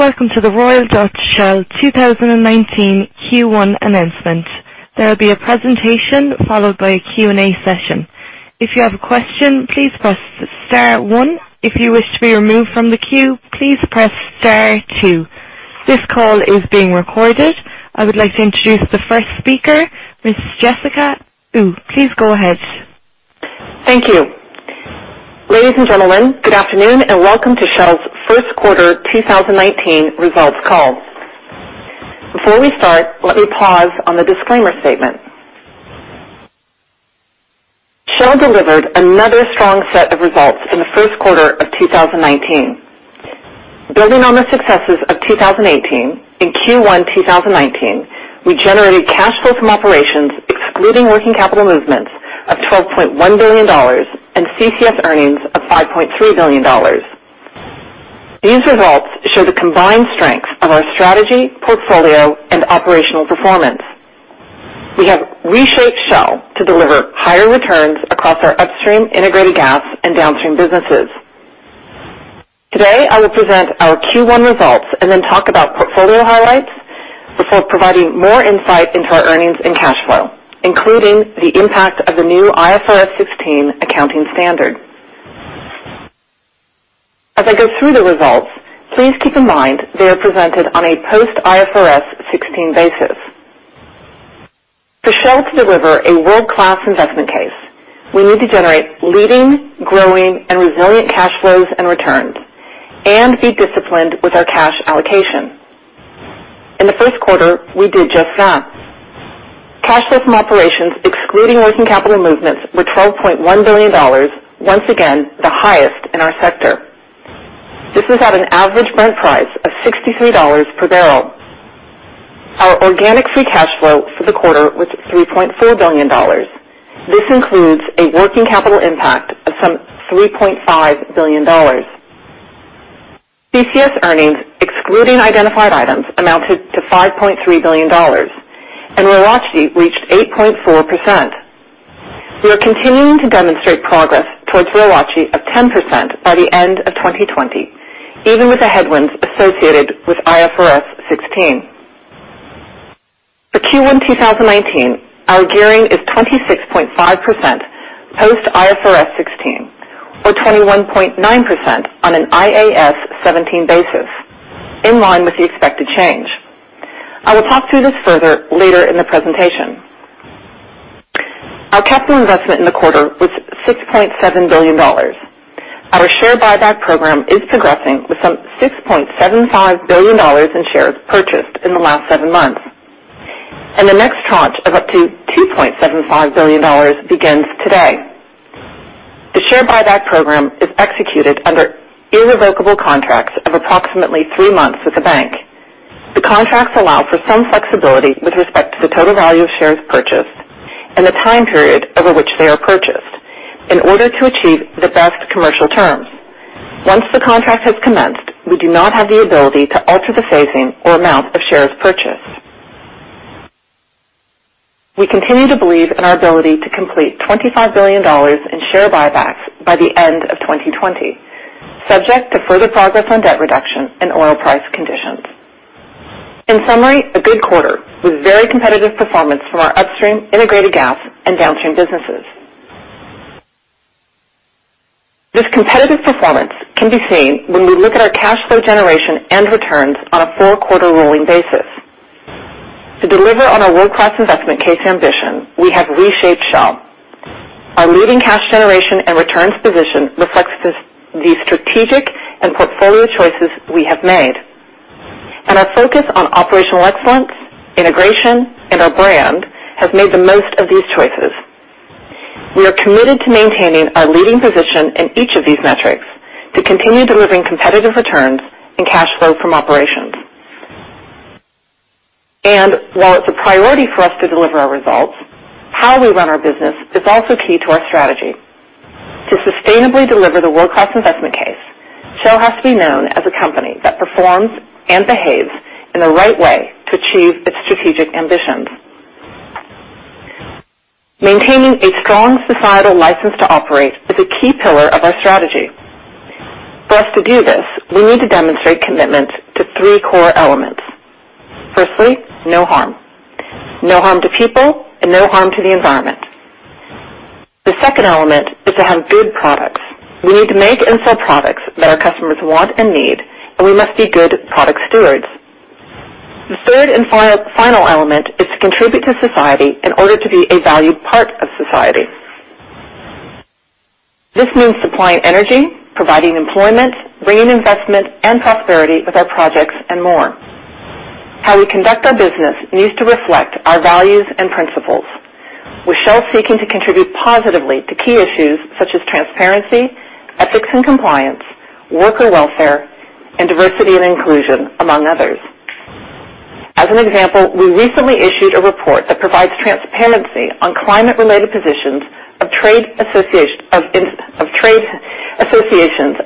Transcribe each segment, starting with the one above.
Shell's businessWelcome to the Royal Dutch Shell 2019 Q1 announcement. There will be a presentation followed by a Q&A session. If you have a question, please press star one. If you wish to be removed from the queue, please press star two. This call is being recorded. I would like to introduce the first speaker, Ms. Jessica Uhl. Please go ahead. Thank you. Ladies and gentlemen, good afternoon. Welcome to Shell's first quarter 2019 results call. Before we start, let me pause on the disclaimer statement. Shell delivered another strong set of results in the first quarter of 2019. Building on the successes of 2018, in Q1 2019, we generated cash flow from operations, excluding working capital movements, of $12.1 billion, and CCS earnings of $5.3 billion. These results show the combined strength of our strategy, portfolio, and operational performance. We have reshaped Shell to deliver higher returns across our Upstream, Integrated Gas, and Downstream businesses. Today, I will present our Q1 results. Then talk about portfolio highlights before providing more insight into our earnings and cash flow, including the impact of the new IFRS 16 accounting standard. As I go through the results, please keep in mind they are presented on a post-IFRS 16 basis. For Shell to deliver a world-class investment case, we need to generate leading, growing, and resilient cash flows and returns and be disciplined with our cash allocation. In the first quarter, we did just that. Cash flow from operations, excluding working capital movements, were $12.1 billion. Once again, the highest in our sector. This is at an average Brent price of $63 per barrel. Our organic free cash flow for the quarter was $3.4 billion. This includes a working capital impact of some $3.5 billion. CCS earnings, excluding identified items, amounted to $5.3 billion, and ROACE reached 8.4%. We are continuing to demonstrate progress towards ROACE of 10% by the end of 2020, even with the headwinds associated with IFRS 16. For Q1 2019, our gearing is 26.5% post IFRS 16 or 21.9% on an IAS 17 basis, in line with the expected change. I will talk through this further later in the presentation. Our capital investment in the quarter was $6.7 billion. Our share buyback program is progressing with some $6.75 billion in shares purchased in the last seven months. The next tranche of up to $2.75 billion begins today. The share buyback program is executed under irrevocable contracts of approximately three months with a bank. The contracts allow for some flexibility with respect to the total value of shares purchased and the time period over which they are purchased in order to achieve the best commercial terms. Once the contract has commenced, we do not have the ability to alter the phasing or amount of shares purchased. We continue to believe in our ability to complete $25 billion in share buybacks by the end of 2020, subject to further progress on debt reduction and oil price conditions. In summary, a good quarter with very competitive performance from our Upstream, Integrated Gas, and Downstream businesses. This competitive performance can be seen when we look at our cash flow generation and returns on a four-quarter rolling basis. To deliver on our world-class investment case ambition, we have reshaped Shell. Our leading cash generation and returns position reflects the strategic and portfolio choices we have made. Our focus on operational excellence, integration, and our brand has made the most of these choices. We are committed to maintaining our leading position in each of these metrics to continue delivering competitive returns and cash flow from operations. While it's a priority for us to deliver our results, how we run our business is also key to our strategy. To sustainably deliver the world-class investment case, Shell has to be known as a company that performs and behaves in the right way to achieve its strategic ambitions. Maintaining a strong societal license to operate is a key pillar of our strategy. For us to do this, we need to demonstrate commitment to three core elements. Firstly, no harm. No harm to people and no harm to the environment. The second element is to have good products. We need to make and sell products that our customers want and need, and we must be good product stewards. The third and final element is to contribute to society in order to be a valued part of society. This means supplying energy, providing employment, bringing investment and prosperity with our projects, and more. How we conduct our business needs to reflect our values and principles, with Shell seeking to contribute positively to key issues such as transparency, ethics and compliance, worker welfare, and diversity and inclusion, among others. As an example, we recently issued a report that provides transparency on climate-related positions of trade associations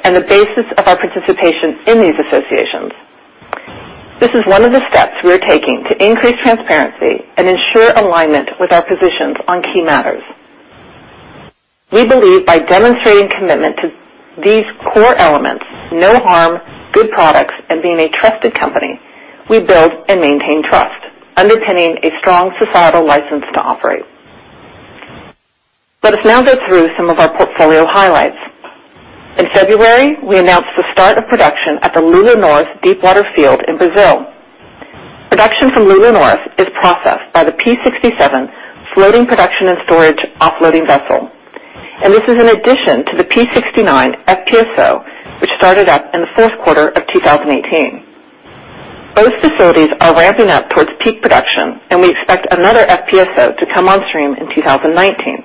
and the basis of our participation in these associations. This is one of the steps we are taking to increase transparency and ensure alignment with our positions on key matters. We believe by demonstrating commitment to these core elements, no harm, good products, and being a trusted company, we build and maintain trust, underpinning a strong societal license to operate. Let us now go through some of our portfolio highlights. In February, we announced the start of production at the Lula North deepwater field in Brazil. Production from Lula North is processed by the P-67 floating production and storage offloading vessel, this is in addition to the P-69 FPSO, which started up in the fourth quarter of 2018. Both facilities are ramping up towards peak production, we expect another FPSO to come on stream in 2019.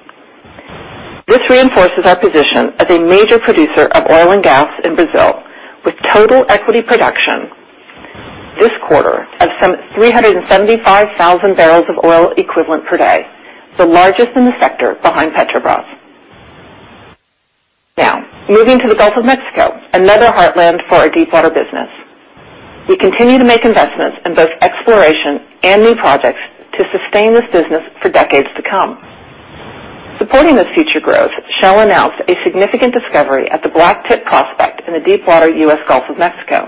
This reinforces our position as a major producer of oil and gas in Brazil, with total equity production this quarter of some 375,000 barrels of oil equivalent per day, the largest in the sector behind Petrobras. Moving to the Gulf of Mexico, another heartland for our deepwater business. We continue to make investments in both exploration and new projects to sustain this business for decades to come. Supporting this future growth, Shell announced a significant discovery at the BlackTip prospect in the deepwater U.S. Gulf of Mexico.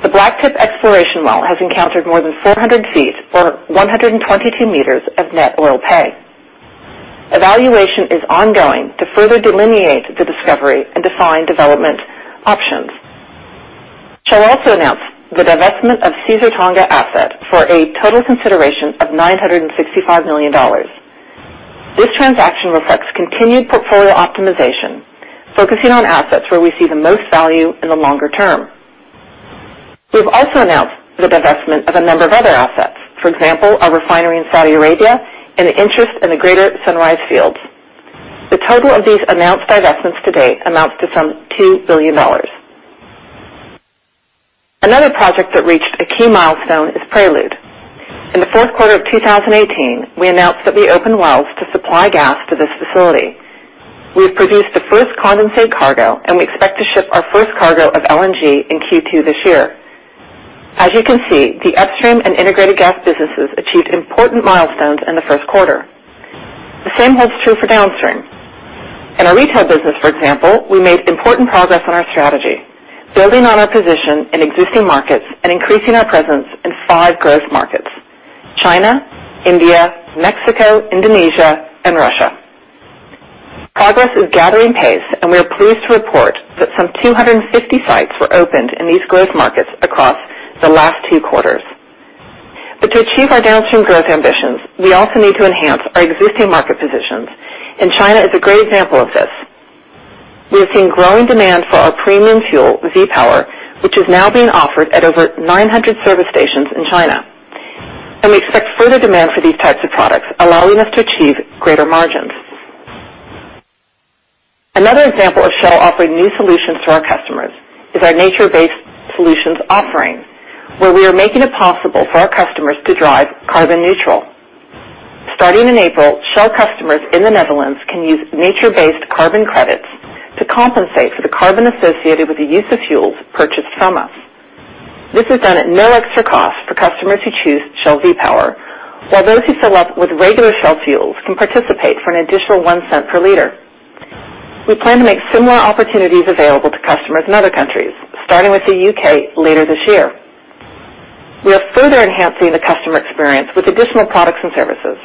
The BlackTip exploration well has encountered more than 400 feet, or 122 meters, of net oil pay. Evaluation is ongoing to further delineate the discovery and define development options. Shell also announced the divestment of Caesar-Tonga asset for a total consideration of $965 million. This transaction reflects continued portfolio optimization, focusing on assets where we see the most value in the longer term. We've also announced the divestment of a number of other assets, for example, a refinery in Saudi Arabia, and an interest in the Greater Sunrise fields. The total of these announced divestments to date amounts to some $2 billion. Another project that reached a key milestone is Prelude. In the fourth quarter of 2018, we announced that we opened wells to supply gas to this facility. We have produced the first condensate cargo, we expect to ship our first cargo of LNG in Q2 this year. As you can see, the Upstream and Integrated Gas businesses achieved important milestones in the first quarter. The same holds true for Downstream. In our retail business, for example, we made important progress on our strategy, building on our position in existing markets and increasing our presence in five growth markets, China, India, Mexico, Indonesia, and Russia. Progress is gathering pace, we are pleased to report that some 250 sites were opened in these growth markets across the last two quarters. To achieve our Downstream growth ambitions, we also need to enhance our existing market positions, China is a great example of this. We have seen growing demand for our premium fuel, V-Power, which is now being offered at over 900 service stations in China. We expect further demand for these types of products, allowing us to achieve greater margins. Another example of Shell offering new solutions to our customers is our nature-based solutions offering, where we are making it possible for our customers to drive carbon neutral. Starting in April, Shell customers in the Netherlands can use nature-based carbon credits to compensate for the carbon associated with the use of fuels purchased from us. This is done at no extra cost for customers who choose Shell V-Power, while those who fill up with regular Shell fuels can participate for an additional $0.01 per liter. We plan to make similar opportunities available to customers in other countries, starting with the U.K. later this year. We are further enhancing the customer experience with additional products and services.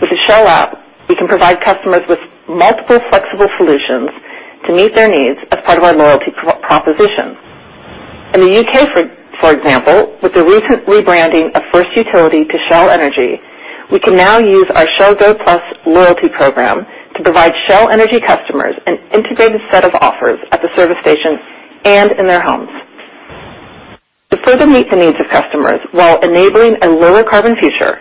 With the Shell App, we can provide customers with multiple flexible solutions to meet their needs as part of our loyalty proposition. In the U.K., for example, with the recent rebranding of First Utility to Shell Energy, we can now use our Shell Go+ loyalty program to provide Shell Energy customers an integrated set of offers at the service station and in their homes. To further meet the needs of customers while enabling a lower carbon future,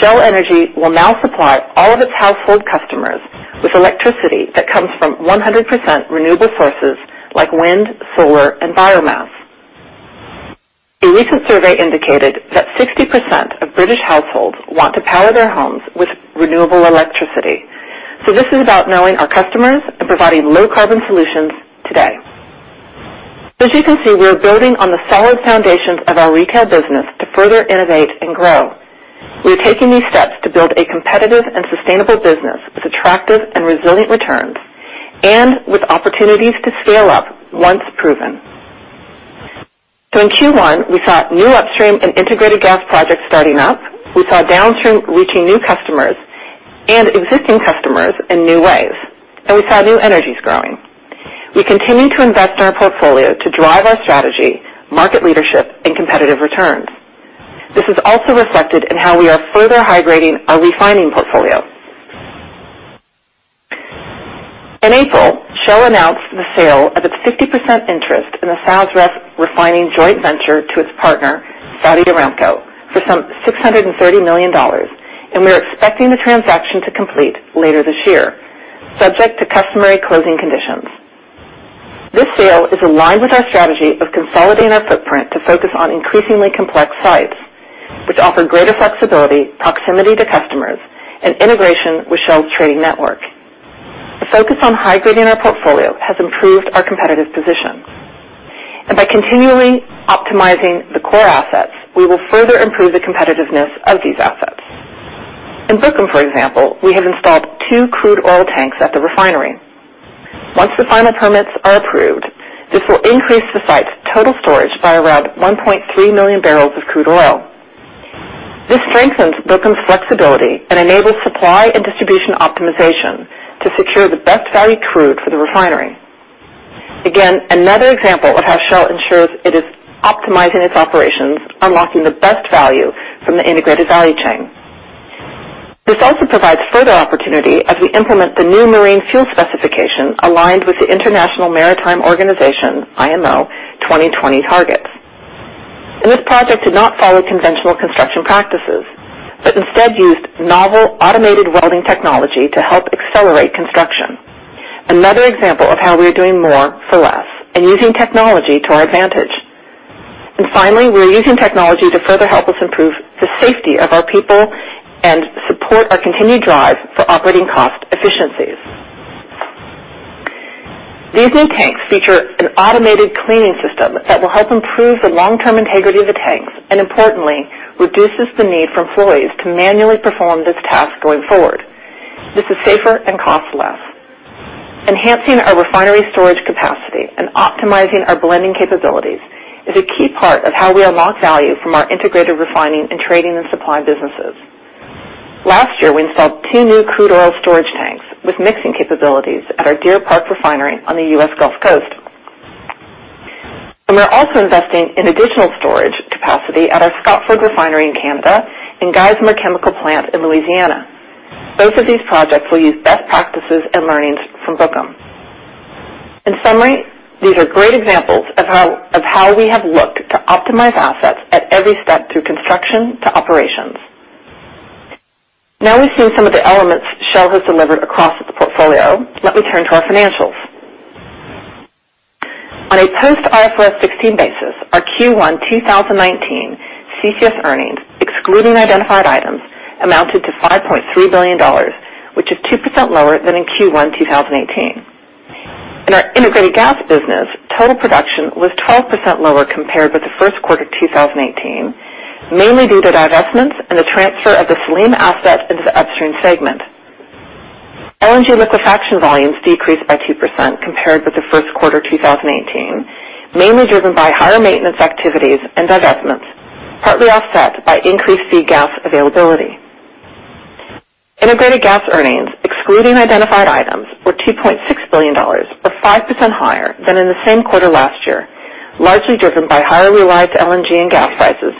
Shell Energy will now supply all of its household customers with electricity that comes from 100% renewable sources like wind, solar, and biomass. A recent survey indicated that 60% of British households want to power their homes with renewable electricity. This is about knowing our customers and providing low carbon solutions today. As you can see, we are building on the solid foundations of our retail business to further innovate and grow. We are taking these steps to build a competitive and sustainable business with attractive and resilient returns and with opportunities to scale up once proven. In Q1, we saw new Upstream and Integrated Gas projects starting up. We saw Downstream reaching new customers and existing customers in new ways, and we saw New Energies growing. We continue to invest in our portfolio to drive our strategy, market leadership, and competitive returns. This is also reflected in how we are further high-grading our refining portfolio. In April, Shell announced the sale of its 50% interest in the SASREF refining joint venture to its partner, Saudi Aramco, for some $630 million. We are expecting the transaction to complete later this year, subject to customary closing conditions. This sale is aligned with our strategy of consolidating our footprint to focus on increasingly complex sites, which offer greater flexibility, proximity to customers, and integration with Shell's trading network. A focus on high-grading our portfolio has improved our competitive position. By continually optimizing the core assets, we will further improve the competitiveness of these assets. In Bukom, for example, we have installed two crude oil tanks at the refinery. Once the final permits are approved, this will increase the site's total storage by around 1.3 million barrels of crude oil. This strengthens Bukom's flexibility and enables supply and distribution optimization to secure the best value crude for the refinery. Again, another example of how Shell ensures it is optimizing its operations, unlocking the best value from the integrated value chain. This also provides further opportunity as we implement the new marine fuel specification aligned with the International Maritime Organization, IMO 2020 targets. This project did not follow conventional construction practices, but instead used novel automated welding technology to help accelerate construction. Another example of how we are doing more for less and using technology to our advantage. Finally, we're using technology to further help us improve the safety of our people and support our continued drive for operating cost efficiencies. These new tanks feature an automated cleaning system that will help improve the long-term integrity of the tanks, and importantly, reduces the need for employees to manually perform this task going forward. This is safer and costs less. Enhancing our refinery storage capacity and optimizing our blending capabilities is a key part of how we unlock value from our integrated refining and trading and supply businesses. Last year, we installed two new crude oil storage tanks with mixing capabilities at our Deer Park refinery on the U.S. Gulf Coast. We're also investing in additional storage capacity at our Scotford refinery in Canada and Geismar Chemical plant in Louisiana. Both of these projects will use best practices and learnings from Bukom. In summary, these are great examples of how we have looked to optimize assets at every step through construction to operations. Now we've seen some of the elements Shell has delivered across the portfolio, let me turn to our financials. On a post IFRS 16 basis, our Q1 2019 CCS earnings, excluding identified items, amounted to $5.3 billion, which is 2% lower than in Q1 2018. In our integrated gas business, total production was 12% lower compared with the first quarter 2018, mainly due to divestments and the transfer of the Salym asset into the upstream segment. LNG liquefaction volumes decreased by 2% compared with the first quarter 2018, mainly driven by higher maintenance activities and divestments, partly offset by increased feed gas availability. Integrated gas earnings, excluding identified items, were $2.6 billion or 5% higher than in the same quarter last year, largely driven by higher realized LNG and gas prices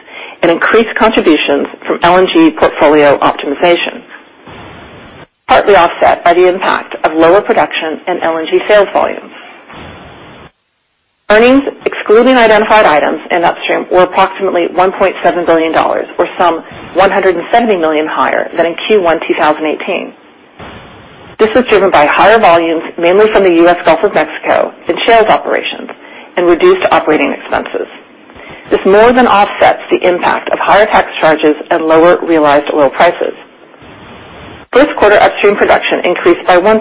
and increased contributions from LNG portfolio optimization, partly offset by the impact of lower production and LNG sales volumes. Earnings excluding identified items in upstream were approximately $1.7 billion or some $170 million higher than in Q1 2018. This was driven by higher volumes, mainly from the U.S. Gulf of Mexico and shales operations and reduced OpEx. This more than offsets the impact of higher tax charges and lower realized oil prices. First quarter upstream production increased by 1%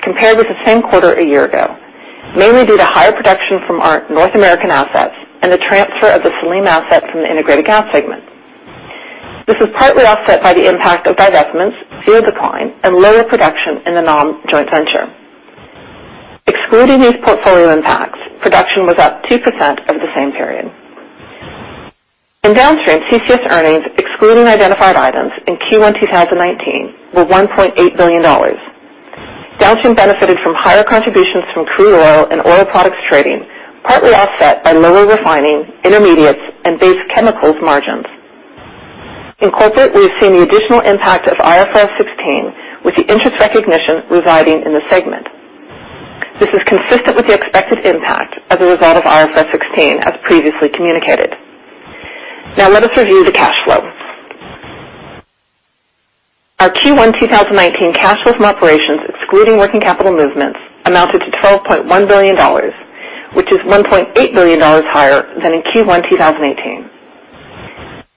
compared with the same quarter a year ago, mainly due to higher production from our North American assets and the transfer of the Salym assets from the integrated gas segment. This was partly offset by the impact of divestments, field decline, and lower production in the non-joint venture. Excluding these portfolio impacts, production was up 2% over the same period. In downstream, CCS earnings excluding identified items in Q1 2019 were $1.8 billion. Downstream benefited from higher contributions from crude oil and oil products trading, partly offset by lower refining, intermediates, and base chemicals margins. In corporate, we've seen the additional impact of IFRS 16 with the interest recognition residing in the segment. This is consistent with the expected impact as a result of IFRS 16, as previously communicated. Let us review the cash flow. Our Q1 2019 cash flow from operations excluding working capital movements amounted to $12.1 billion, which is $1.8 billion higher than in Q1 2018.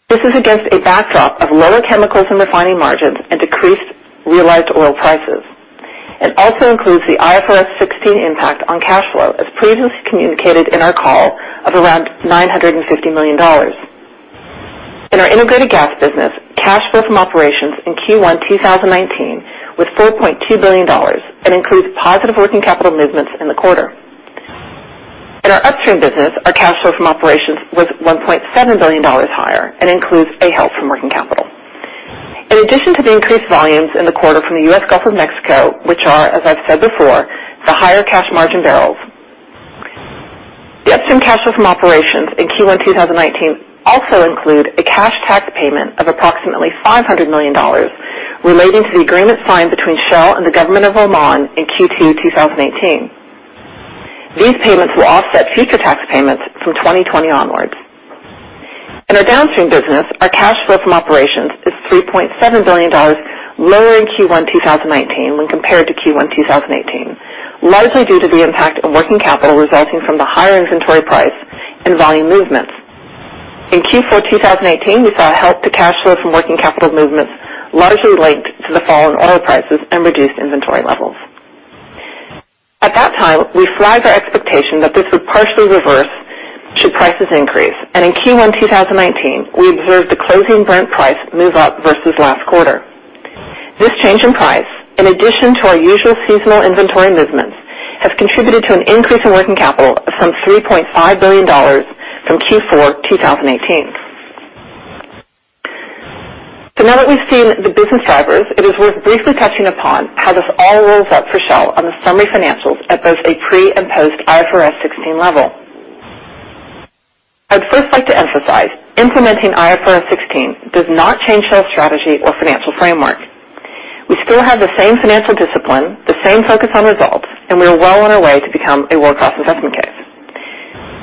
This is against a backdrop of lower chemicals and refining margins and decreased realized oil prices, and also includes the IFRS 16 impact on cash flow, as previously communicated in our call of around $950 million. In our integrated gas business, cash flow from operations in Q1 2019 was $4.2 billion and includes positive working capital movements in the quarter. In our upstream business, our cash flow from operations was $1.7 billion higher and includes a help from working capital. In addition to the increased volumes in the quarter from the U.S. Gulf of Mexico, which are, as I've said before, the higher cash margin barrels. The upstream cash flow from operations in Q1 2019 also include a cash tax payment of approximately $500 million relating to the agreement signed between Shell and the government of Oman in Q2 2018. These payments will offset future tax payments from 2020 onwards. In our downstream business, our cash flow from operations is $3.7 billion lower in Q1 2019 when compared to Q1 2018, largely due to the impact of working capital resulting from the higher inventory price and volume movements. In Q4 2018, we saw a help to cash flow from working capital movements, largely linked to the fall in oil prices and reduced inventory levels. At that time, we flagged our expectation that this would partially reverse should prices increase. In Q1 2019, we observed the closing Brent price move up versus last quarter. This change in price, in addition to our usual seasonal inventory movements, has contributed to an increase in working capital of some $3.5 billion from Q4 2018. Now that we've seen the business drivers, it is worth briefly touching upon how this all rolls up for Shell on the summary financials at both a pre- and post-IFRS 16 level. I'd first like to emphasize, implementing IFRS 16 does not change Shell strategy or financial framework. We still have the same financial discipline, the same focus on results, and we are well on our way to become a world-class investment case.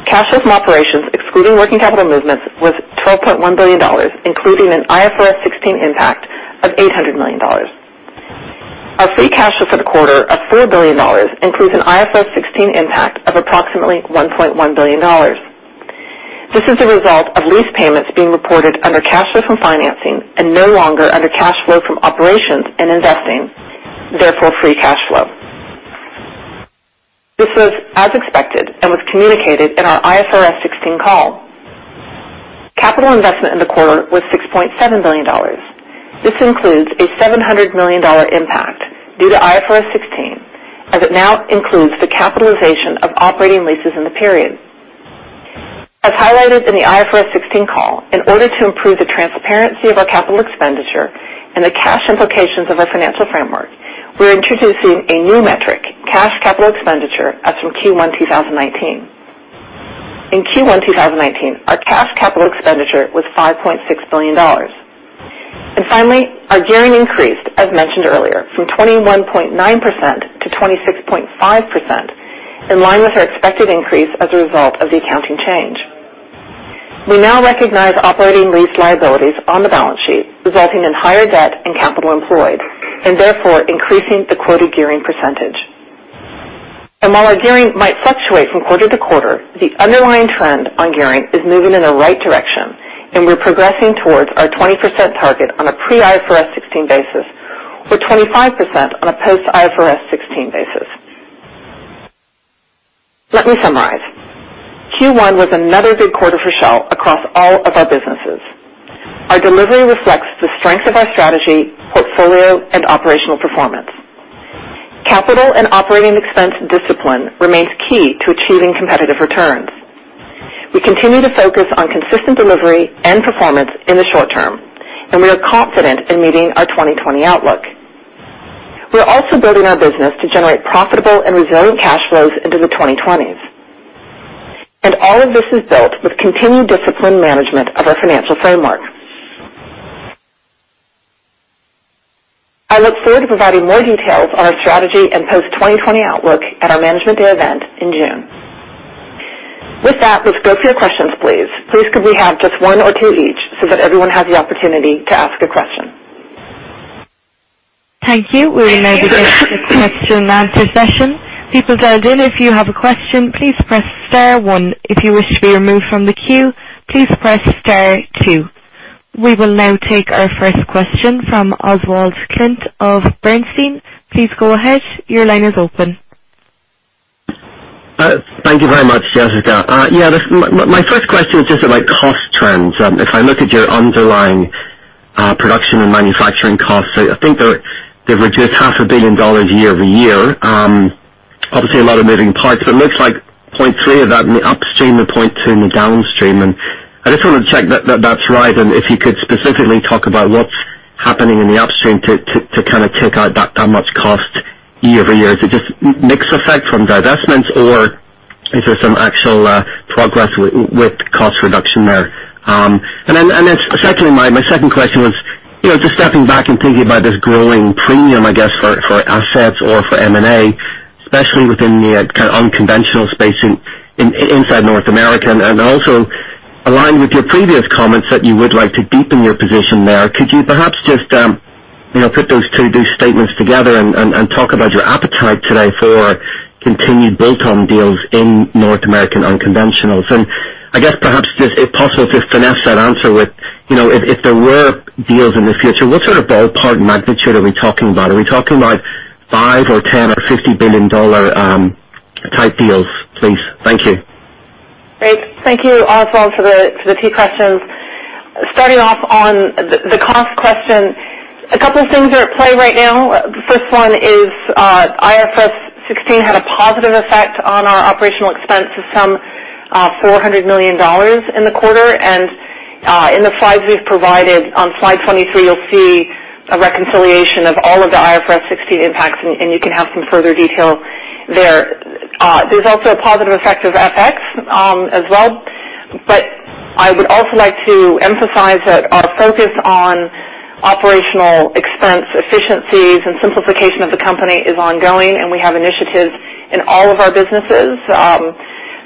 Cash from operations, excluding working capital movements, was $12.1 billion, including an IFRS 16 impact of $800 million. Our free cash flow for the quarter of $4 billion includes an IFRS 16 impact of approximately $1.1 billion. This is a result of lease payments being reported under cash flow from financing and no longer under cash flow from operations and investing, therefore, free cash flow. This was as expected and was communicated in our IFRS 16 call. Capital investment in the quarter was $6.7 billion. This includes a $700 million impact due to IFRS 16, as it now includes the capitalization of operating leases in the period. As highlighted in the IFRS 16 call, in order to improve the transparency of our capital expenditure and the cash implications of our financial framework, we're introducing a new metric, cash capital expenditure, as from Q1 2019. In Q1 2019, our cash capital expenditure was $5.6 billion. Finally, our gearing increased, as mentioned earlier, from 21.9% to 26.5%, in line with our expected increase as a result of the accounting change. We now recognize operating lease liabilities on the balance sheet, resulting in higher debt and capital employed, and therefore, increasing the quoted gearing percentage. While our gearing might fluctuate from quarter to quarter, the underlying trend on gearing is moving in the right direction, and we're progressing towards our 20% target on a pre-IFRS 16 basis, or 25% on a post-IFRS 16 basis. Let me summarize. Q1 was another good quarter for Shell across all of our businesses. Our delivery reflects the strength of our strategy, portfolio, and operational performance. Capital and operating expense discipline remains key to achieving competitive returns. We continue to focus on consistent delivery and performance in the short term, and we are confident in meeting our 2020 outlook. We are also building our business to generate profitable and resilient cash flows into the 2020s. All of this is built with continued disciplined management of our financial framework. I look forward to providing more details on our strategy and post-2020 outlook at our Management Day event in June. Let's go for your questions, please. Please, could we have just one or two each so that everyone has the opportunity to ask a question. Thank you. We will now begin the question and answer session. People dialed in, if you have a question, please press star one. If you wish to be removed from the queue, please press star two. We will now take our first question from Oswald Clint of Bernstein. Please go ahead. Your line is open. Thank you very much, Jessica. My first question is just about cost trends. If I look at your underlying production and manufacturing costs, I think they've reduced half a billion dollars year-over-year. Obviously, a lot of moving parts, but it looks like 0.3 of that in the upstream and 0.2 in the downstream. I just want to check that that's right, and if you could specifically talk about what's happening in the upstream to take out that much cost year-over-year. Is it just mix effect from divestments, or is there some actual progress with cost reduction there? Secondly, my second question was, just stepping back and thinking about this growing premium, I guess, for assets or for M&A, especially within the unconventional space inside North America. Also aligned with your previous comments that you would like to deepen your position there, could you perhaps just put those two statements together and talk about your appetite today for continued bolt-on deals in North American unconventionals? I guess perhaps if possible, to finesse that answer with if there were deals in the future, what sort of ballpark magnitude are we talking about? Are we talking about $5 or $10 or $50 billion type deals, please? Thank you. Great. Thank you, Oswald, for the two questions. Starting off on the cost question. A couple of things are at play right now. The first one is IFRS 16 had a positive effect on our operational expense of some $400 million in the quarter. In the slides we've provided, on slide 23, you'll see a reconciliation of all of the IFRS 16 impacts, and you can have some further detail there. There's also a positive effect of FX as well. I would also like to emphasize that our focus on operational expense efficiencies and simplification of the company is ongoing, and we have initiatives in all of our businesses that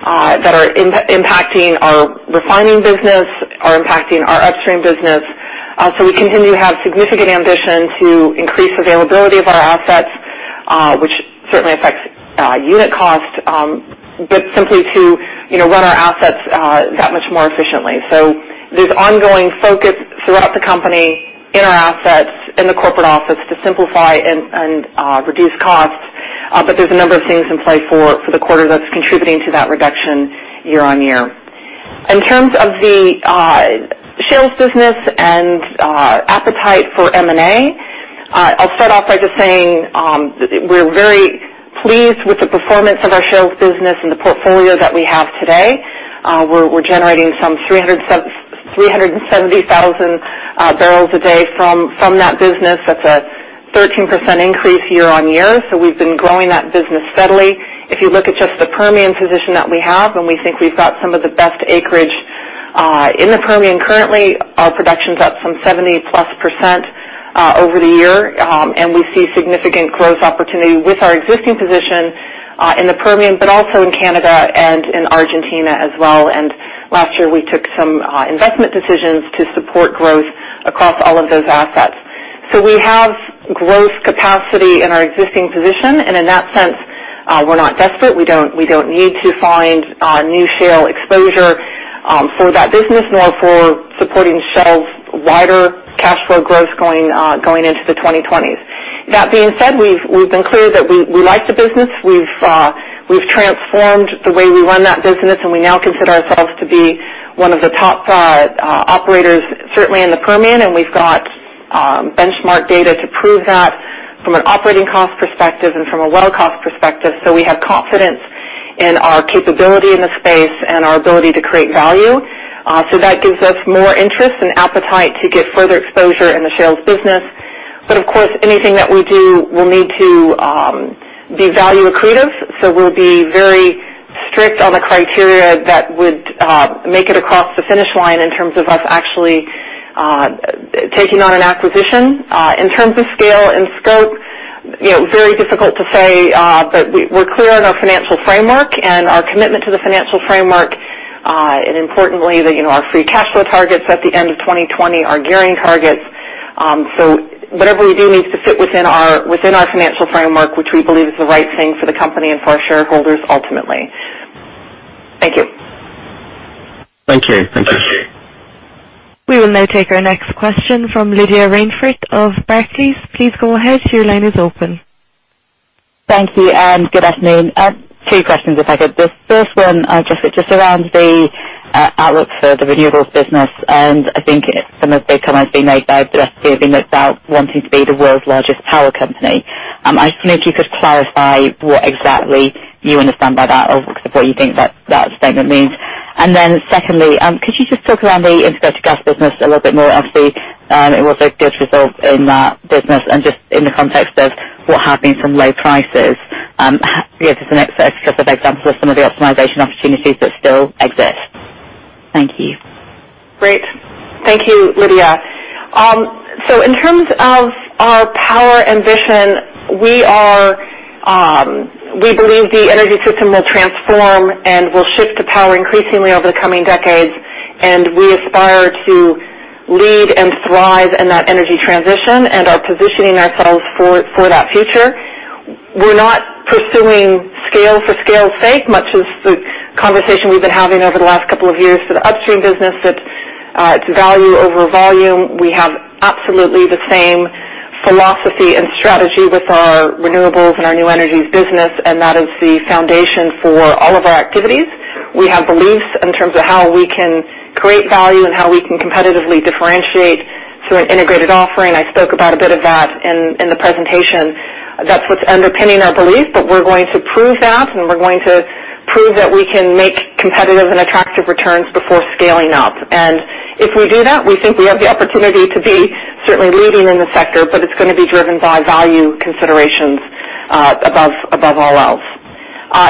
are impacting our refining business, are impacting our upstream business. We continue to have significant ambition to increase availability of our assets, which certainly affects unit cost, but simply to run our assets that much more efficiently. There's ongoing focus throughout the company, in our assets, in the corporate office to simplify and reduce costs. There's a number of things in play for the quarter that's contributing to that reduction year-on-year. In terms of the shales business and appetite for M&A, I'll start off by just saying we're very pleased with the performance of our shales business and the portfolio that we have today. We're generating some 370,000 barrels a day from that business. That's a 13% increase year-on-year. We've been growing that business steadily. If you look at just the Permian position that we have, and we think we've got some of the best acreage in the Permian currently, our production's up some 70+% over the year. We see significant growth opportunity with our existing position in the Permian, but also in Canada and in Argentina as well. Last year, we took some investment decisions to support growth across all of those assets. We have growth capacity in our existing position, and in that sense, we're not desperate. We don't need to find new shale exposure for that business, nor for supporting Shell's wider cash flow growth going into the 2020s. That being said, we've been clear that we like the business. We've transformed the way we run that business, and we now consider ourselves to be one of the top five operators, certainly in the Permian. We've got benchmark data to prove that from an operating cost perspective and from a well cost perspective. We have confidence in our capability in the space and our ability to create value. That gives us more interest and appetite to get further exposure in the shales business. Of course, anything that we do will need to be value accretive. We'll be very strict on the criteria that would make it across the finish line in terms of us actually taking on an acquisition. In terms of scale and scope, very difficult to say, but we're clear on our financial framework and our commitment to the financial framework, and importantly, our free cash flow targets at the end of 2020, our gearing targets. Whatever we do needs to fit within our financial framework, which we believe is the right thing for the company and for our shareholders ultimately. Thank you. Thank you. Thank you. We will now take our next question from Lydia Rainforth of Barclays. Please go ahead. Your line is open. Thank you. Good afternoon. Two questions if I could. The first one, Jessica, just around the outlook for the renewables business, and I think some of the comments being made by the S&P about wanting to be the world's largest power company. I wonder if you could clarify what exactly you understand by that or what you think that statement means. Secondly, could you just talk around the integrated gas business a little bit more? Obviously, it was a good result in that business and just in the context of what have been some low prices. Give us an expressive example of some of the optimization opportunities that still exist. Thank you. Great. Thank you, Lydia. In terms of our power ambition, we believe the energy system will transform and will shift to power increasingly over the coming decades, and we aspire to lead and thrive in that energy transition, and are positioning ourselves for that future. We're not pursuing scale for scale's sake, much as the conversation we've been having over the last couple of years for the upstream business that it's value over volume. We have absolutely the same philosophy and strategy with our renewables and our new energies business, and that is the foundation for all of our activities. We have beliefs in terms of how we can create value and how we can competitively differentiate through an integrated offering. I spoke about a bit of that in the presentation. That's what's underpinning our belief. We're going to prove that, and we're going to prove that we can make competitive and attractive returns before scaling up. If we do that, we think we have the opportunity to be certainly leading in the sector, but it's going to be driven by value considerations above all else.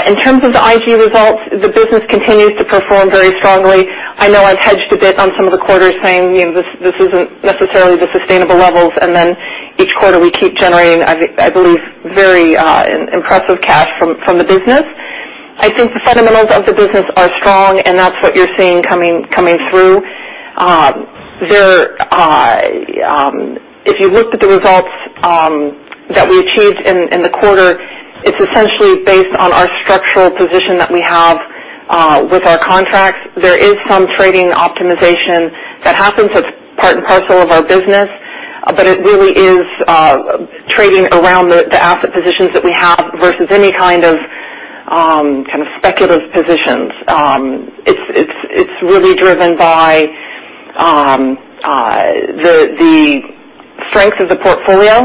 In terms of the IG results, the business continues to perform very strongly. I know I've hedged a bit on some of the quarters saying, this isn't necessarily the sustainable levels, and then each quarter we keep generating, I believe, very impressive cash from the business. I think the fundamentals of the business are strong, and that's what you're seeing coming through. If you looked at the results that we achieved in the quarter, it's essentially based on our structural position that we have with our contracts. There is some trading optimization that happens. That's part and parcel of our business. It really is trading around the asset positions that we have versus any kind of speculative positions. It's really driven by the strength of the portfolio,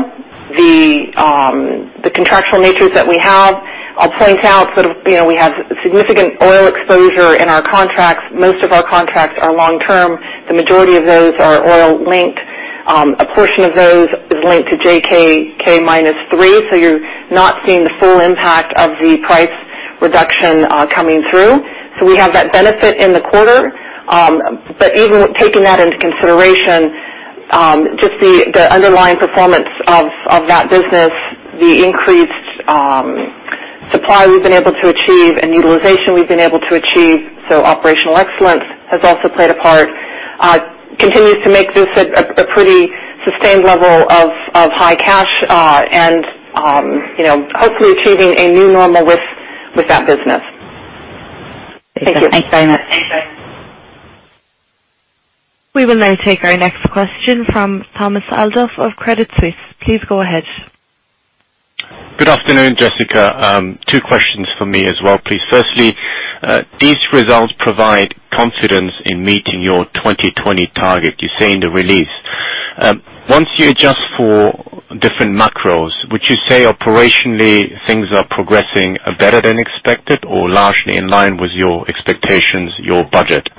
the contractual natures that we have. I'll point out that we have significant oil exposure in our contracts. Most of our contracts are long-term. The majority of those are oil-linked. A portion of those is linked to JKM minus three, so you're not seeing the full impact of the price reduction coming through. We have that benefit in the quarter. Even taking that into consideration, just the underlying performance of that business, the increased supply we've been able to achieve and utilization we've been able to achieve. Operational excellence has also played a part. Continues to make this a pretty sustained level of high cash, and hopefully achieving a new normal with that business. Thank you. Thanks very much. We will now take our next question from Thomas Adolff of Credit Suisse. Please go ahead. Good afternoon, Jessica. Two questions from me as well, please. Firstly, these results provide confidence in meeting your 2020 target, you say in the release. Once you adjust for different macros, would you say operationally things are progressing better than expected or largely in line with your expectations, your budget?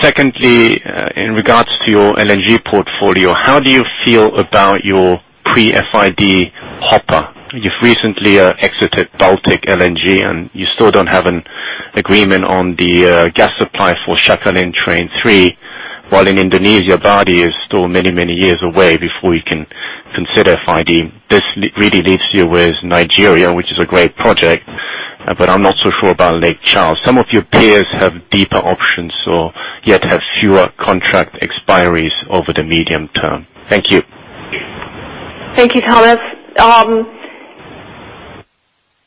Secondly, in regards to your LNG portfolio, how do you feel about your pre-FID hopper? You've recently exited Baltic LNG, and you still don't have an agreement on the gas supply for Sakhalin Train III, while in Indonesia, Abadi is still many, many years away before you can consider FID. This really leaves you with Nigeria, which is a great project, but I'm not so sure about Lake Charles. Some of your peers have deeper options or yet have fewer contract expiries over the medium term. Thank you. Thank you, Thomas.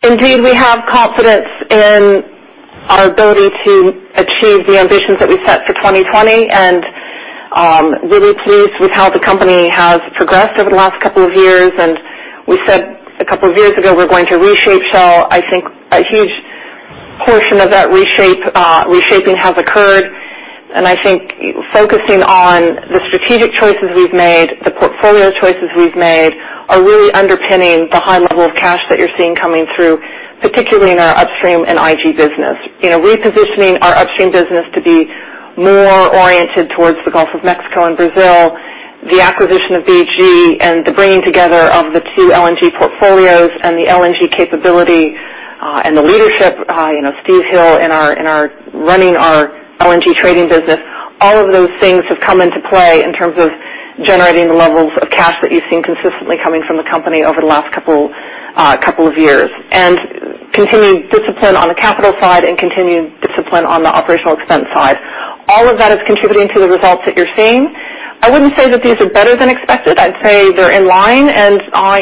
Indeed, we have confidence in our ability to achieve the ambitions that we set for 2020, really pleased with how the company has progressed over the last couple of years. We said a couple of years ago, we're going to reshape Shell. I think a huge portion of that reshaping has occurred, and I think focusing on the strategic choices we've made, the portfolio choices we've made, are really underpinning the high level of cash that you're seeing coming through, particularly in our Upstream and IG business. Repositioning our Upstream business to be more oriented towards the Gulf of Mexico and Brazil, the acquisition of BG, and the bringing together of the two LNG portfolios and the LNG capability, and the leadership, Steve Hill, in running our LNG trading business. All of those things have come into play in terms of generating the levels of cash that you've seen consistently coming from the company over the last couple of years. Continued discipline on the capital side and continued discipline on the OpEx side. All of that is contributing to the results that you're seeing. I wouldn't say that these are better than expected. I'd say they're in line, and I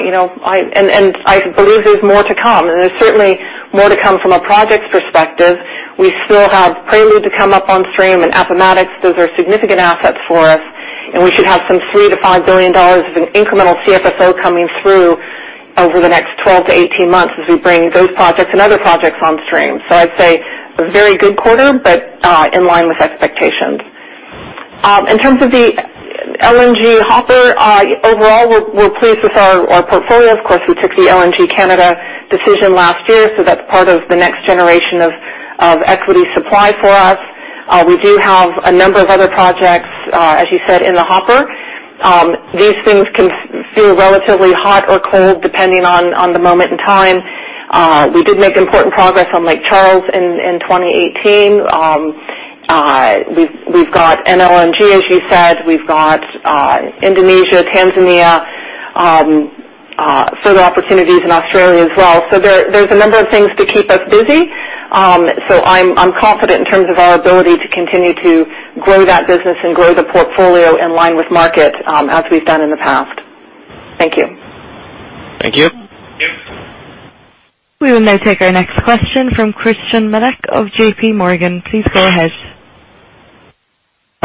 believe there's more to come. There's certainly more to come from a projects perspective. We still have Prelude to come Upstream, and Appomattox. Those are significant assets for us, and we should have some $3 billion-$5 billion of incremental CFSO coming through over the next 12-18 months as we bring those projects and other projects onstream. I'd say a very good quarter, but in line with expectations. In terms of the LNG hopper, overall, we're pleased with our portfolio. Of course, we took the LNG Canada decision last year, that's part of the next generation of equity supply for us. We do have a number of other projects, as you said, in the hopper. These things can feel relatively hot or cold depending on the moment in time. We did make important progress on Lake Charles in 2018. We've got NLNG, as you said. We've got Indonesia, Tanzania, further opportunities in Australia as well. There's a number of things to keep us busy. I'm confident in terms of our ability to continue to grow that business and grow the portfolio in line with market, as we've done in the past. Thank you. Thank you. We will now take our next question from Christyan Malek of JPMorgan. Please go ahead.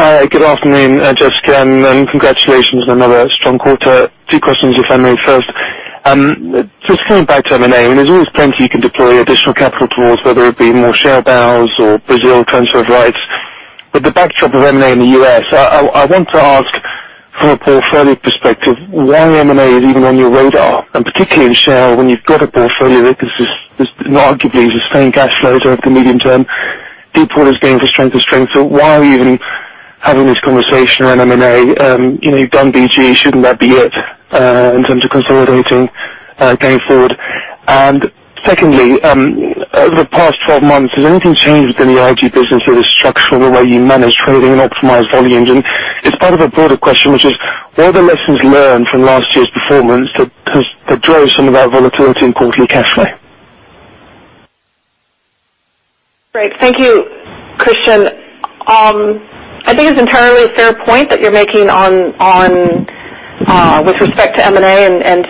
Hi. Good afternoon, Jessica, and congratulations on another strong quarter. Two questions, if I may. First, just coming back to M&A, there's always plenty you can deploy additional capital towards, whether it be more share buybacks or Brazil transfer of rights. The backdrop of M&A in the U.S., I want to ask from a portfolio perspective, why M&A is even on your radar, and particularly in Shell, when you've got a portfolio that arguably is a sustained cash flow over the medium term, deepwater is going from strength to strength. Why are we even having this conversation around M&A? You've done BG. Shouldn't that be it in terms of consolidating going forward? Secondly, over the past 12 months, has anything changed in the IG business or the structure or the way you manage trading and optimize volumes? It's part of a broader question, which is, what are the lessons learned from last year's performance that drove some of our volatility in quarterly cash flow? Great. Thank you, Christyan. I think it's entirely a fair point that you're making with respect to M&A and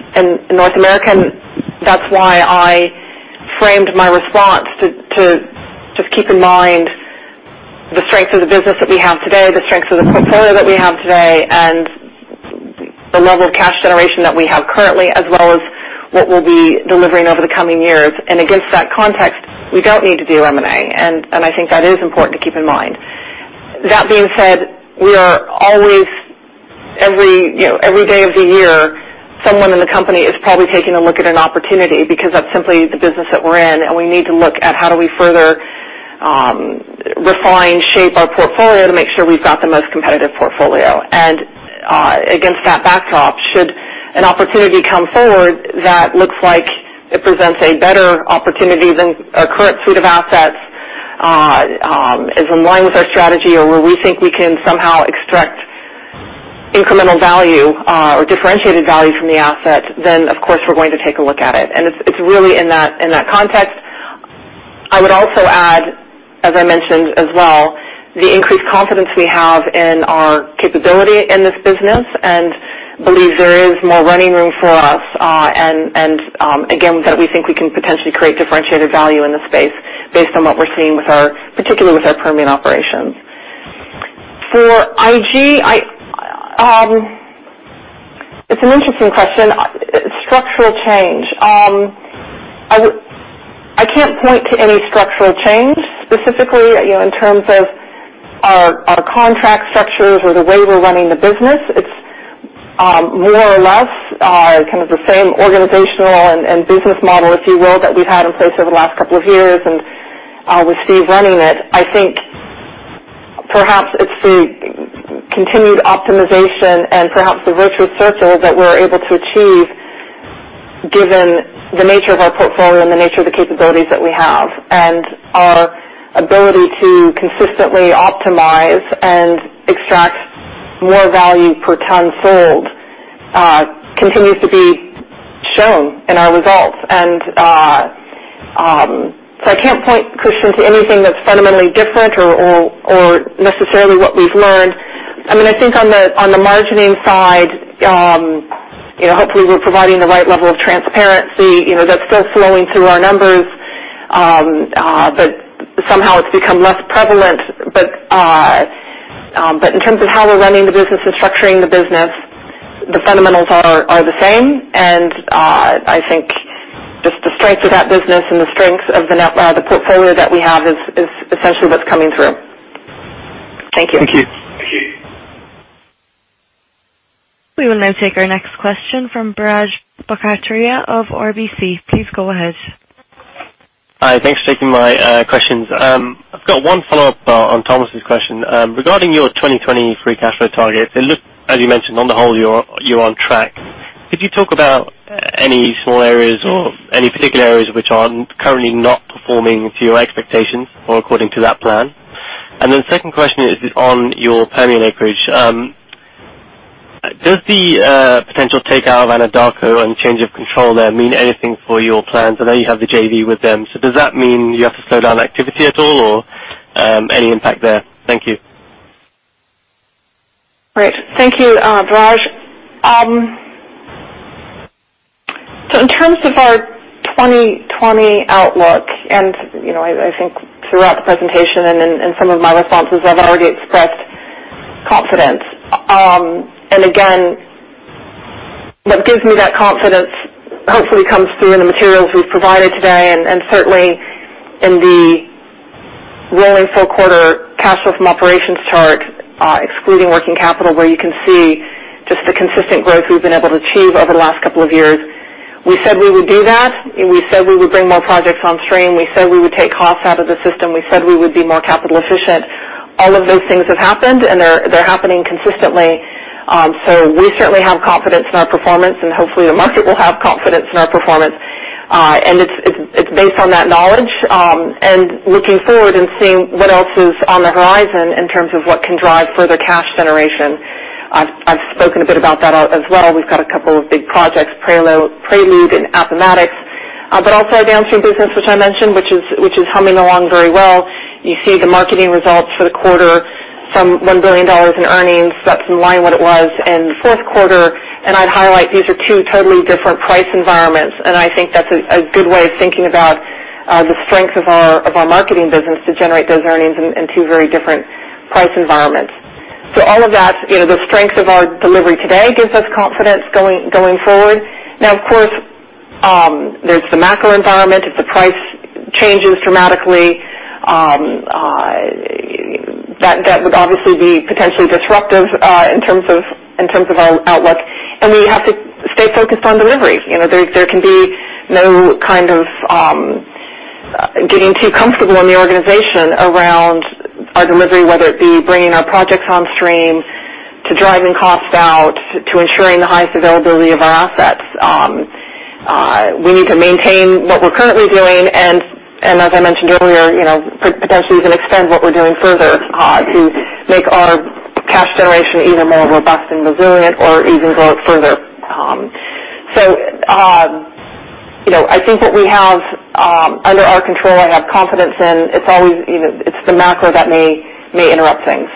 North America, that's why I framed my response to just keep in mind the strength of the business that we have today, the strength of the portfolio that we have today, and the level of cash generation that we have currently, as well as what we'll be delivering over the coming years. Against that context, we don't need to do M&A, and I think that is important to keep in mind. That being said, we are always, every day of the year, someone in the company is probably taking a look at an opportunity because that's simply the business that we're in, and we need to look at how do we further refine, shape our portfolio to make sure we've got the most competitive portfolio. Against that backdrop, should an opportunity come forward that looks like it presents a better opportunity than our current suite of assets, is in line with our strategy or where we think we can somehow extract incremental value or differentiated value from the asset, of course, we're going to take a look at it. It's really in that context I would also add, as I mentioned as well, the increased confidence we have in our capability in this business and believe there is more running room for us, and again, that we think we can potentially create differentiated value in this space based on what we're seeing, particularly with our Permian operations. For IG, it's an interesting question. Structural change. I can't point to any structural change specifically in terms of our contract structures or the way we're running the business. It's more or less kind of the same organizational and business model, if you will, that we've had in place over the last couple of years, with Steve running it. I think perhaps it's the continued optimization and perhaps the virtuous circle that we're able to achieve given the nature of our portfolio and the nature of the capabilities that we have. Our ability to consistently optimize and extract more value per ton sold continues to be shown in our results. I can't point, Christyan, to anything that's fundamentally different or necessarily what we've learned. I think on the margining side, hopefully we're providing the right level of transparency that's still flowing through our numbers. Somehow it's become less prevalent. In terms of how we're running the business and structuring the business, the fundamentals are the same. I think just the strength of that business and the strength of the portfolio that we have is essentially what's coming through. Thank you. Thank you. Thank you. We will now take our next question from Biraj Borkhataria of RBC. Please go ahead. Hi, thanks for taking my questions. I've got one follow-up on Thomas's question. Regarding your 2020 free cash flow target, it looked, as you mentioned, on the whole, you're on track. Could you talk about any small areas or any particular areas which are currently not performing to your expectations or according to that plan? The second question is on your Permian acreage. Does the potential takeout of Anadarko and change of control there mean anything for your plans? I know you have the JV with them. Does that mean you have to slow down activity at all or any impact there? Thank you. Great. Thank you, Biraj. In terms of our 2020 outlook, and I think throughout the presentation and in some of my responses, I've already expressed confidence. Again, what gives me that confidence hopefully comes through in the materials we've provided today and certainly in the rolling full quarter cash flow from operations chart, excluding working capital, where you can see just the consistent growth we've been able to achieve over the last couple of years. We said we would do that. We said we would bring more projects on stream. We said we would take costs out of the system. We said we would be more capital efficient. All of those things have happened. They're happening consistently. We certainly have confidence in our performance, and hopefully, the market will have confidence in our performance. It's based on that knowledge and looking forward and seeing what else is on the horizon in terms of what can drive further cash generation. I've spoken a bit about that as well. We've got a couple of big projects, Prelude and Appomattox, but also our downstream business, which I mentioned, which is humming along very well. You see the marketing results for the quarter from $1 billion in earnings. That's in line with what it was in the fourth quarter, and I'd highlight these are two totally different price environments, and I think that's a good way of thinking about the strength of our marketing business to generate those earnings in two very different price environments. All of that, the strength of our delivery today gives us confidence going forward. Now, of course, there's the macro environment. If the price changes dramatically, that would obviously be potentially disruptive in terms of our outlook, and we have to stay focused on delivery. There can be no kind of getting too comfortable in the organization around our delivery, whether it be bringing our projects on stream, to driving costs out, to ensuring the highest availability of our assets. We need to maintain what we're currently doing and, as I mentioned earlier, potentially even extend what we're doing further to make our cash generation either more robust and resilient or even grow it further. I think that we have under our control and have confidence in. It's the macro that may interrupt things.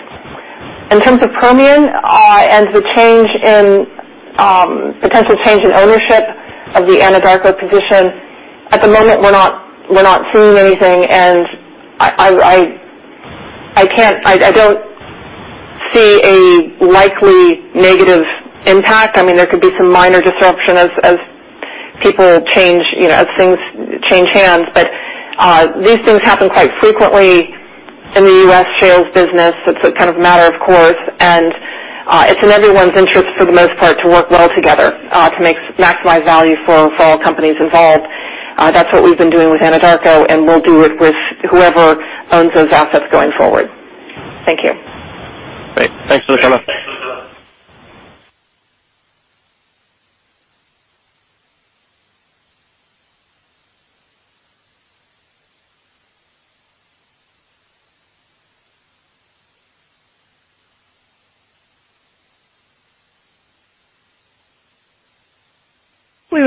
In terms of Permian and the potential change in ownership of the Anadarko position, at the moment, we're not seeing anything, and I don't see a likely negative impact. There could be some minor disruption as things change hands. These things happen quite frequently in the U.S. shales business. It's a kind of matter of course, and it's in everyone's interest, for the most part, to work well together to maximize value for all companies involved. That's what we've been doing with Anadarko, and we'll do it with whoever owns those assets going forward. Thank you. Great. Thanks,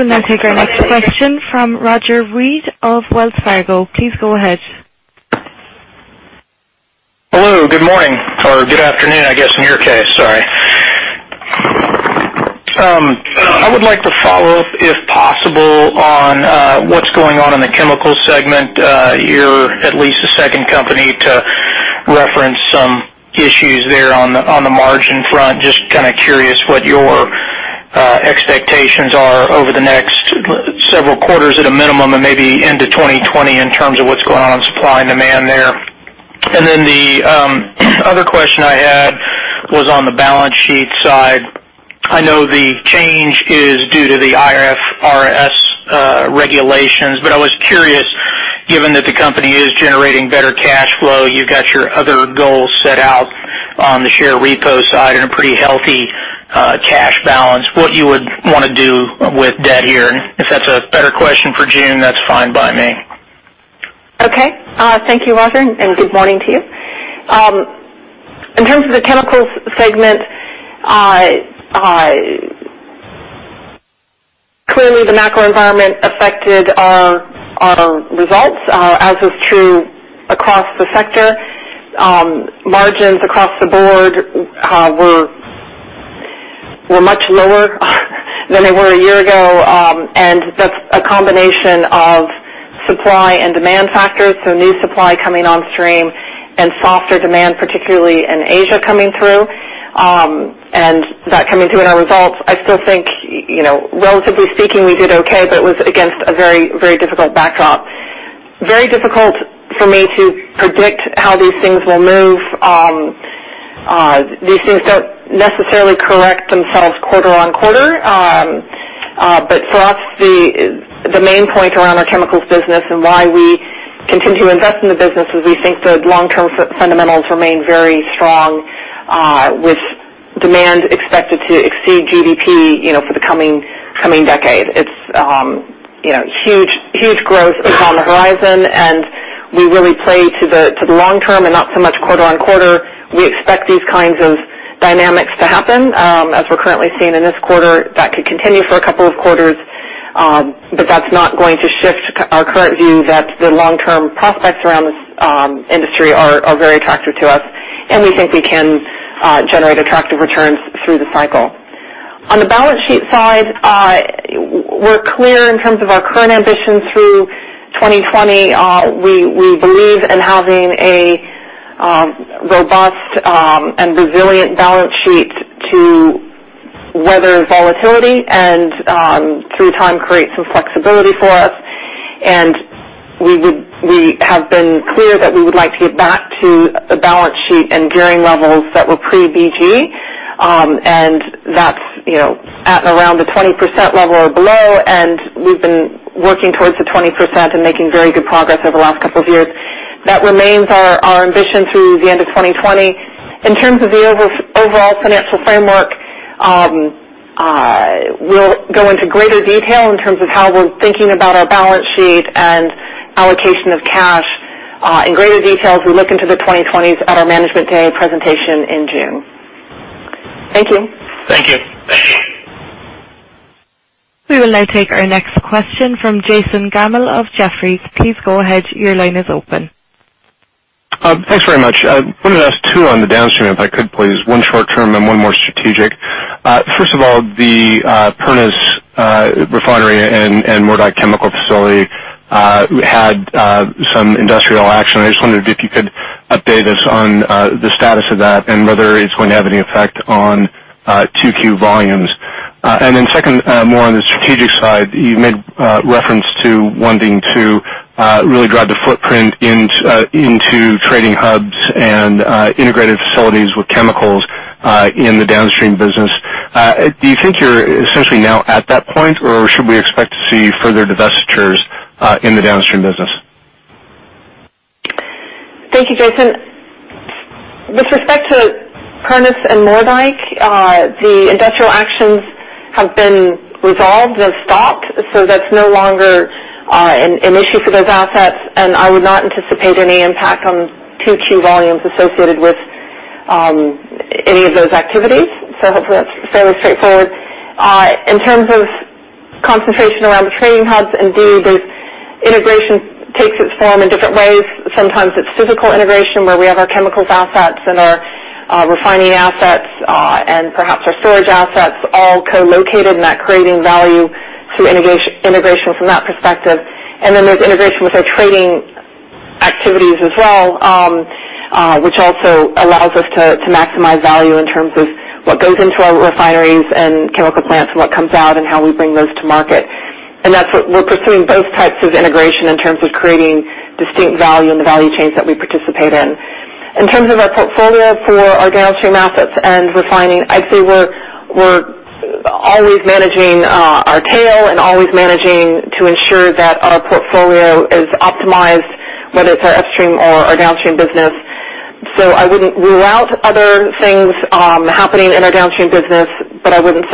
Jessica. We will now take our next question from Roger Reed of Wells Fargo. Please go ahead. Hello, good morning, or good afternoon, I guess, in your case. Sorry. I would like to follow up, if possible, on what's going on in the chemical segment. You're at least the second company to reference some issues there on the margin front. Just curious what your expectations are over the next several quarters at a minimum, and maybe into 2020 in terms of what's going on in supply and demand there. The other question I had was on the balance sheet side. I know the change is due to the IFRS regulations, but I was curious, given that the company is generating better cash flow, you've got your other goals set out on the share repo side and a pretty healthy cash balance, what you would want to do with debt here? If that's a better question for June, that's fine by me. Okay. Thank you, Roger, and good morning to you. In terms of the chemicals segment, clearly the macro environment affected our results, as was true across the sector. Margins across the board were much lower than they were a year ago. That's a combination of supply and demand factors. New supply coming on stream and softer demand, particularly in Asia, coming through. That coming through in our results, I still think, relatively speaking, we did okay, but it was against a very difficult backdrop. Very difficult for me to predict how these things will move. These things don't necessarily correct themselves quarter on quarter. For us, the main point around our chemicals business and why we continue to invest in the business is we think the long-term fundamentals remain very strong, with demand expected to exceed GDP for the coming decade. It's huge growth is on the horizon, we really play to the long term and not so much quarter on quarter. We expect these kinds of dynamics to happen. As we're currently seeing in this quarter, that could continue for a couple of quarters. That's not going to shift our current view that the long-term prospects around this industry are very attractive to us, and we think we can generate attractive returns through the cycle. On the balance sheet side, we're clear in terms of our current ambitions through 2020. We believe in having a robust and resilient balance sheet to weather volatility and, through time, create some flexibility for us. We have been clear that we would like to get back to a balance sheet and gearing levels that were pre-BG. That's at around the 20% level or below, and we've been working towards the 20% and making very good progress over the last couple of years. That remains our ambition through the end of 2020. In terms of the overall financial framework, we'll go into greater detail in terms of how we're thinking about our balance sheet and allocation of cash. In greater detail, as we look into the 2020s at our Management Day presentation in June. Thank you. Thank you. We will now take our next question from Jason Gammel of Jefferies. Please go ahead. Your line is open. Thanks very much. I wanted to ask too on the downstream, if I could please, one short-term and one more strategic. First of all, the Pernis Refinery and Moerdijk chemical facility had some industrial action. I just wondered if you could update us on the status of that and whether it's going to have any effect on 2Q volumes. Then second, more on the strategic side, you made reference to wanting to really drive the footprint into trading hubs and integrated facilities with chemicals in the downstream business. Do you think you're essentially now at that point, or should we expect to see further divestitures in the downstream business? Thank you, Jason. With respect to Pernis and Moerdijk, the industrial actions have been resolved and stopped. That's no longer an issue for those assets, and I would not anticipate any impact on 2Q volumes associated with any of those activities. Hopefully that's fairly straightforward. In terms of concentration around the trading hubs, indeed, this integration takes its form in different ways. Sometimes it's physical integration where we have our chemicals assets and our refining assets and perhaps our storage assets all co-located and that creating value through integration from that perspective. Then there's integration with our trading activities as well, which also allows us to maximize value in terms of what goes into our refineries and chemical plants and what comes out and how we bring those to market. That's what we're pursuing both types of integration in terms of creating distinct value in the value chains that we participate in. In terms of our portfolio for our downstream assets and refining, I'd say we're always managing our tail and always managing to ensure that our portfolio is optimized, whether it's our upstream or our downstream business. I wouldn't rule out other things happening in our downstream business, but I wouldn't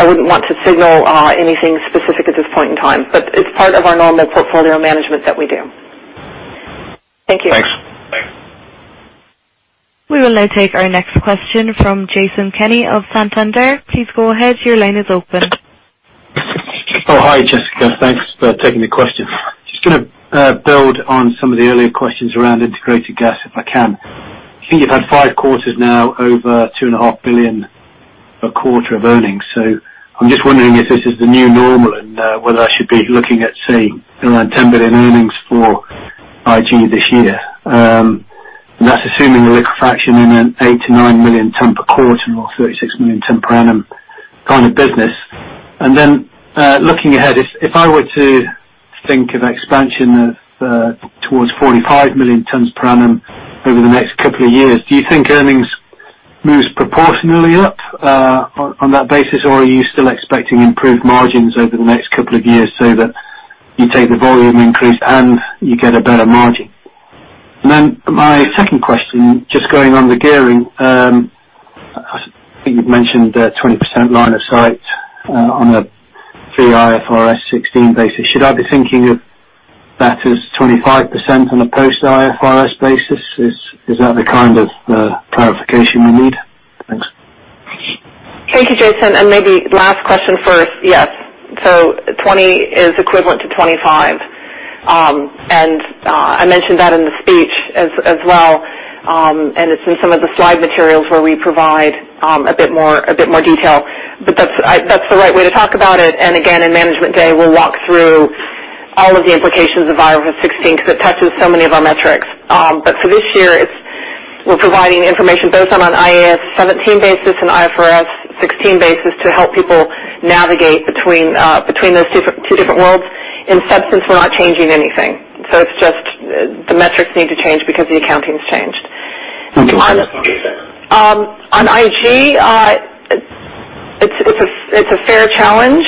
want to signal anything specific at this point in time. It's part of our normal portfolio management that we do. We will now take our next question from Jason Kenny of Santander. Please go ahead. Your line is open. Oh, hi, Jessica. Thanks for taking the question. Just going to build on some of the earlier questions around integrated gas, if I can. I think you've had five quarters now over two and a half billion a quarter of earnings. I'm just wondering if this is the new normal and whether I should be looking at, say, around $10 billion earnings for IG this year. That's assuming the liquefaction in an 8 million ton-9 million ton per quarter or 36 million ton per annum kind of business. Then looking ahead, if I were to think of expansion of towards 45 million tons per annum over the next couple of years, do you think earnings moves proportionally up on that basis, or are you still expecting improved margins over the next couple of years so that you take the volume increase, and you get a better margin? My second question, just going on the gearing, I think you've mentioned 20% line of sight on a pre-IFRS 16 basis. Should I be thinking of that as 25% on a post-IFRS basis? Is that the kind of clarification you need? Thanks. Thank you, Jason. Maybe last question first. Yes. 20 is equivalent to 25. I mentioned that in the speech as well, and it's in some of the slide materials where we provide a bit more detail. That's the right way to talk about it. Again, in management day, we'll walk through all of the implications of IFRS 16 because it touches so many of our metrics. For this year, we're providing information both on an IAS 17 basis and IFRS 16 basis to help people navigate between those two different worlds. In substance, we're not changing anything. It's just the metrics need to change because the accounting's changed. Okay. On IG, it's a fair challenge.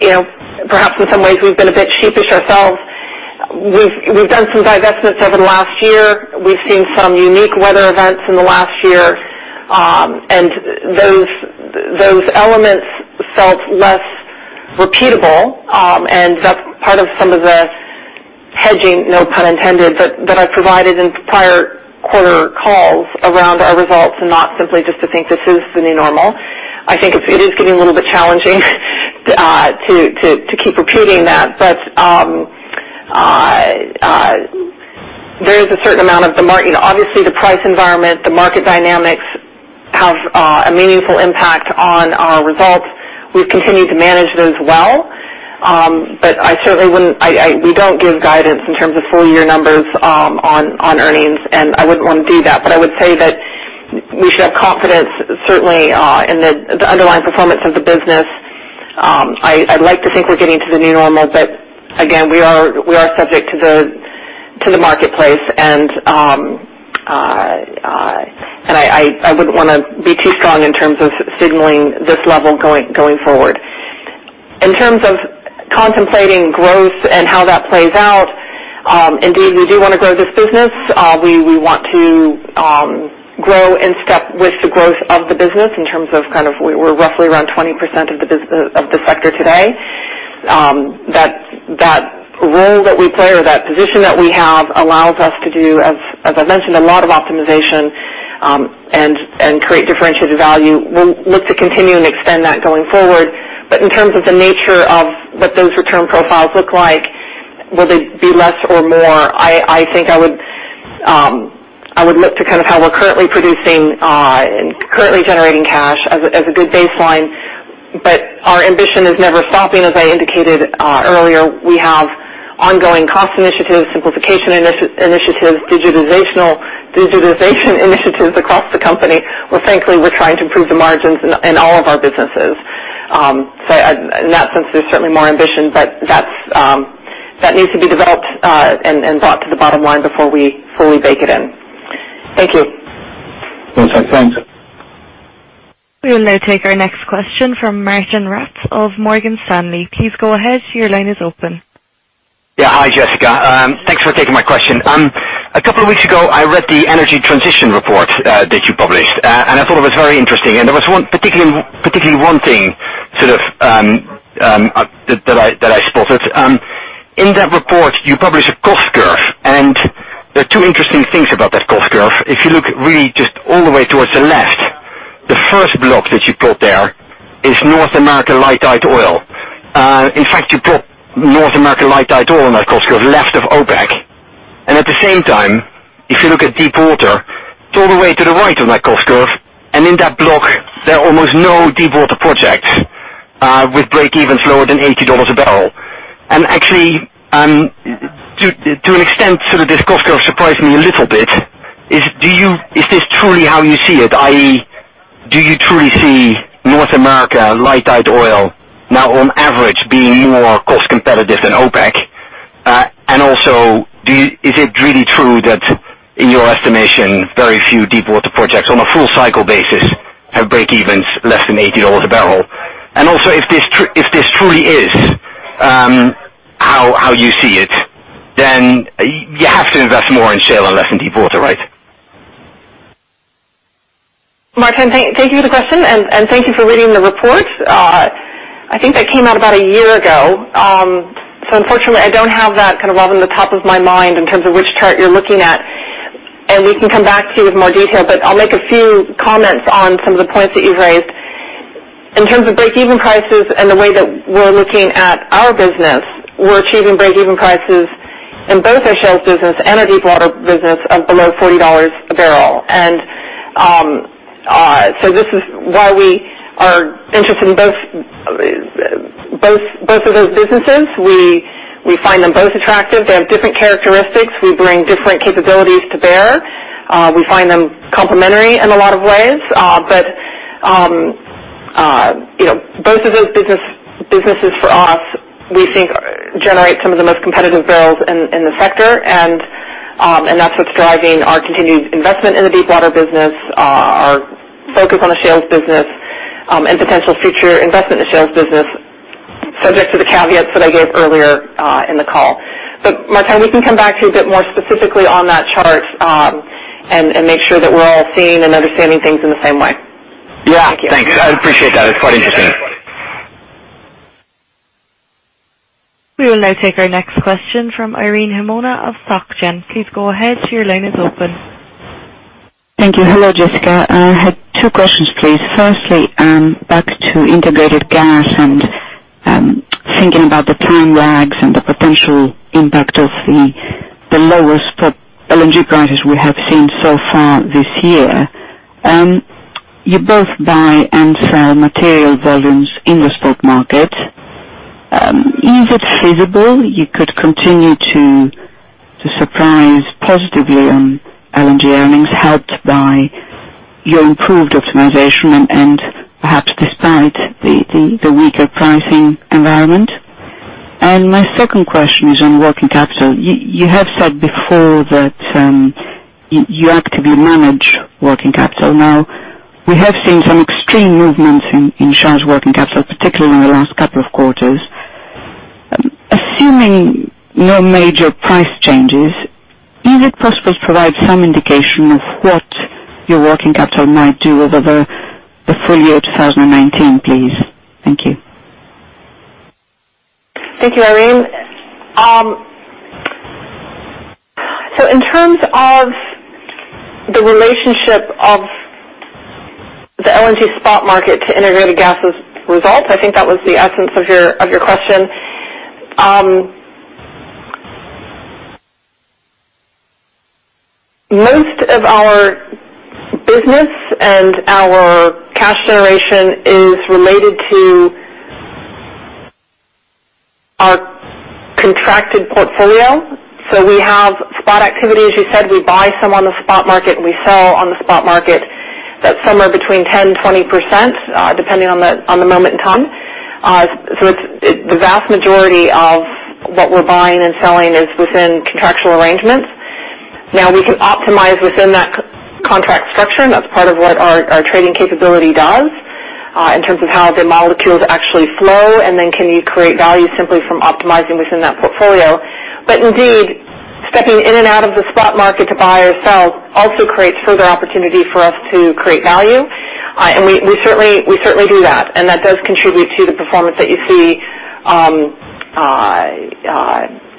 Perhaps in some ways, we've been a bit sheepish ourselves. We've done some divestments over the last year. We've seen some unique weather events in the last year, and those elements felt less repeatable. That's part of some of the hedging, no pun intended, that I provided in prior quarter calls around our results and not simply just to think this is the new normal. I think it is getting a little bit challenging to keep repeating that. There is a certain amount of the obviously, the price environment, the market dynamics have a meaningful impact on our results. We've continued to manage those well. We don't give guidance in terms of full-year numbers on earnings, and I wouldn't want to do that. I would say that we should have confidence, certainly, in the underlying performance of the business. I'd like to think we're getting to the new normal, but again, we are subject to the marketplace, and I wouldn't want to be too strong in terms of signaling this level going forward. In terms of contemplating growth and how that plays out, indeed, we do want to grow this business. We want to grow in step with the growth of the business in terms of we're roughly around 20% of the sector today. That role that we play or that position that we have allows us to do, as I mentioned, a lot of optimization, and create differentiated value. We'll look to continue and extend that going forward. In terms of the nature of what those return profiles look like, will they be less or more? I think I would look to how we're currently producing, currently generating cash as a good baseline. Our ambition is never stopping, as I indicated earlier. We have ongoing cost initiatives, simplification initiatives, digitalization initiatives across the company, where frankly, we're trying to improve the margins in all of our businesses. In that sense, there's certainly more ambition, but that needs to be developed and brought to the bottom line before we fully bake it in. Thank you. Okay, thanks. We will now take our next question from Martijn Rats of Morgan Stanley. Please go ahead. Your line is open. Hi, Jessica. Thanks for taking my question. A couple of weeks ago, I read the energy transition report that you published. I thought it was very interesting. There was particularly one thing that I spotted. In that report, you publish a cost curve. There are two interesting things about that cost curve. If you look really just all the way towards the left, the first block that you put there is North American light tight oil. In fact, you put North American light tight oil in that cost curve left of OPEC. At the same time, if you look at deepwater, it's all the way to the right of that cost curve. In that block, there are almost no deepwater projects, with breakevens lower than $80 a barrel. Actually, to an extent, this cost curve surprised me a little bit. Is this truly how you see it, i.e., do you truly see North America light tight oil now on average being more cost competitive than OPEC? Is it really true that in your estimation, very few deepwater projects on a full cycle basis have breakevens less than $80 a barrel? If this truly is how you see it, you have to invest more in shale and less in deepwater, right? Martijn, thank you for the question, thank you for reading the report. I think that came out about a year ago. Unfortunately, I don't have that kind of all in the top of my mind in terms of which chart you're looking at, we can come back to you with more detail, I'll make a few comments on some of the points that you've raised. In terms of breakeven prices and the way that we're looking at our business, we're achieving breakeven prices in both our Shell's business and our deepwater business of below $40 a barrel. This is why we are interested in both of those businesses. We find them both attractive. They have different characteristics. We bring different capabilities to bear. We find them complementary in a lot of ways. Both of those businesses for us, we think generate some of the most competitive barrels in the sector, that's what's driving our continued investment in the deepwater business, our focus on the Shell's business, potential future investment in Shell's business, subject to the caveats that I gave earlier in the call. Martijn, we can come back to you a bit more specifically on that chart, make sure that we're all seeing and understanding things in the same way. Yeah. Thank you. Thanks. I appreciate that. It's quite interesting. We will now take our next question from Irene Himona of Societe Generale. Please go ahead, your line is open. Thank you. Hello, Jessica. I had two questions, please. Firstly, back to integrated gas and thinking about the time lags and the potential impact of the lowest LNG prices we have seen so far this year. You both buy and sell material volumes in the spot market. Is it feasible you could continue to surprise positively on LNG earnings helped by your improved optimization and perhaps despite the weaker pricing environment? My second question is on working capital. You have said before that you actively manage working capital. Now, we have seen some extreme movements in Shell's working capital, particularly in the last couple of quarters. Assuming no major price changes, is it possible to provide some indication of what your working capital might do over the full year 2019, please? Thank you. Thank you, Irene. In terms of the relationship of the LNG spot market to integrated gas' results, I think that was the essence of your question. Most of our business and our cash generation is related to our contracted portfolio. We have spot activity, as you said, we buy some on the spot market, and we sell on the spot market, that's somewhere between 10%-20%, depending on the moment in time. The vast majority of what we're buying and selling is within contractual arrangements. Now, we can optimize within that contract structure, and that's part of what our trading capability does, in terms of how the molecules actually flow, and then can you create value simply from optimizing within that portfolio. Indeed, stepping in and out of the spot market to buy or sell also creates further opportunity for us to create value. We certainly do that, and that does contribute to the performance that you see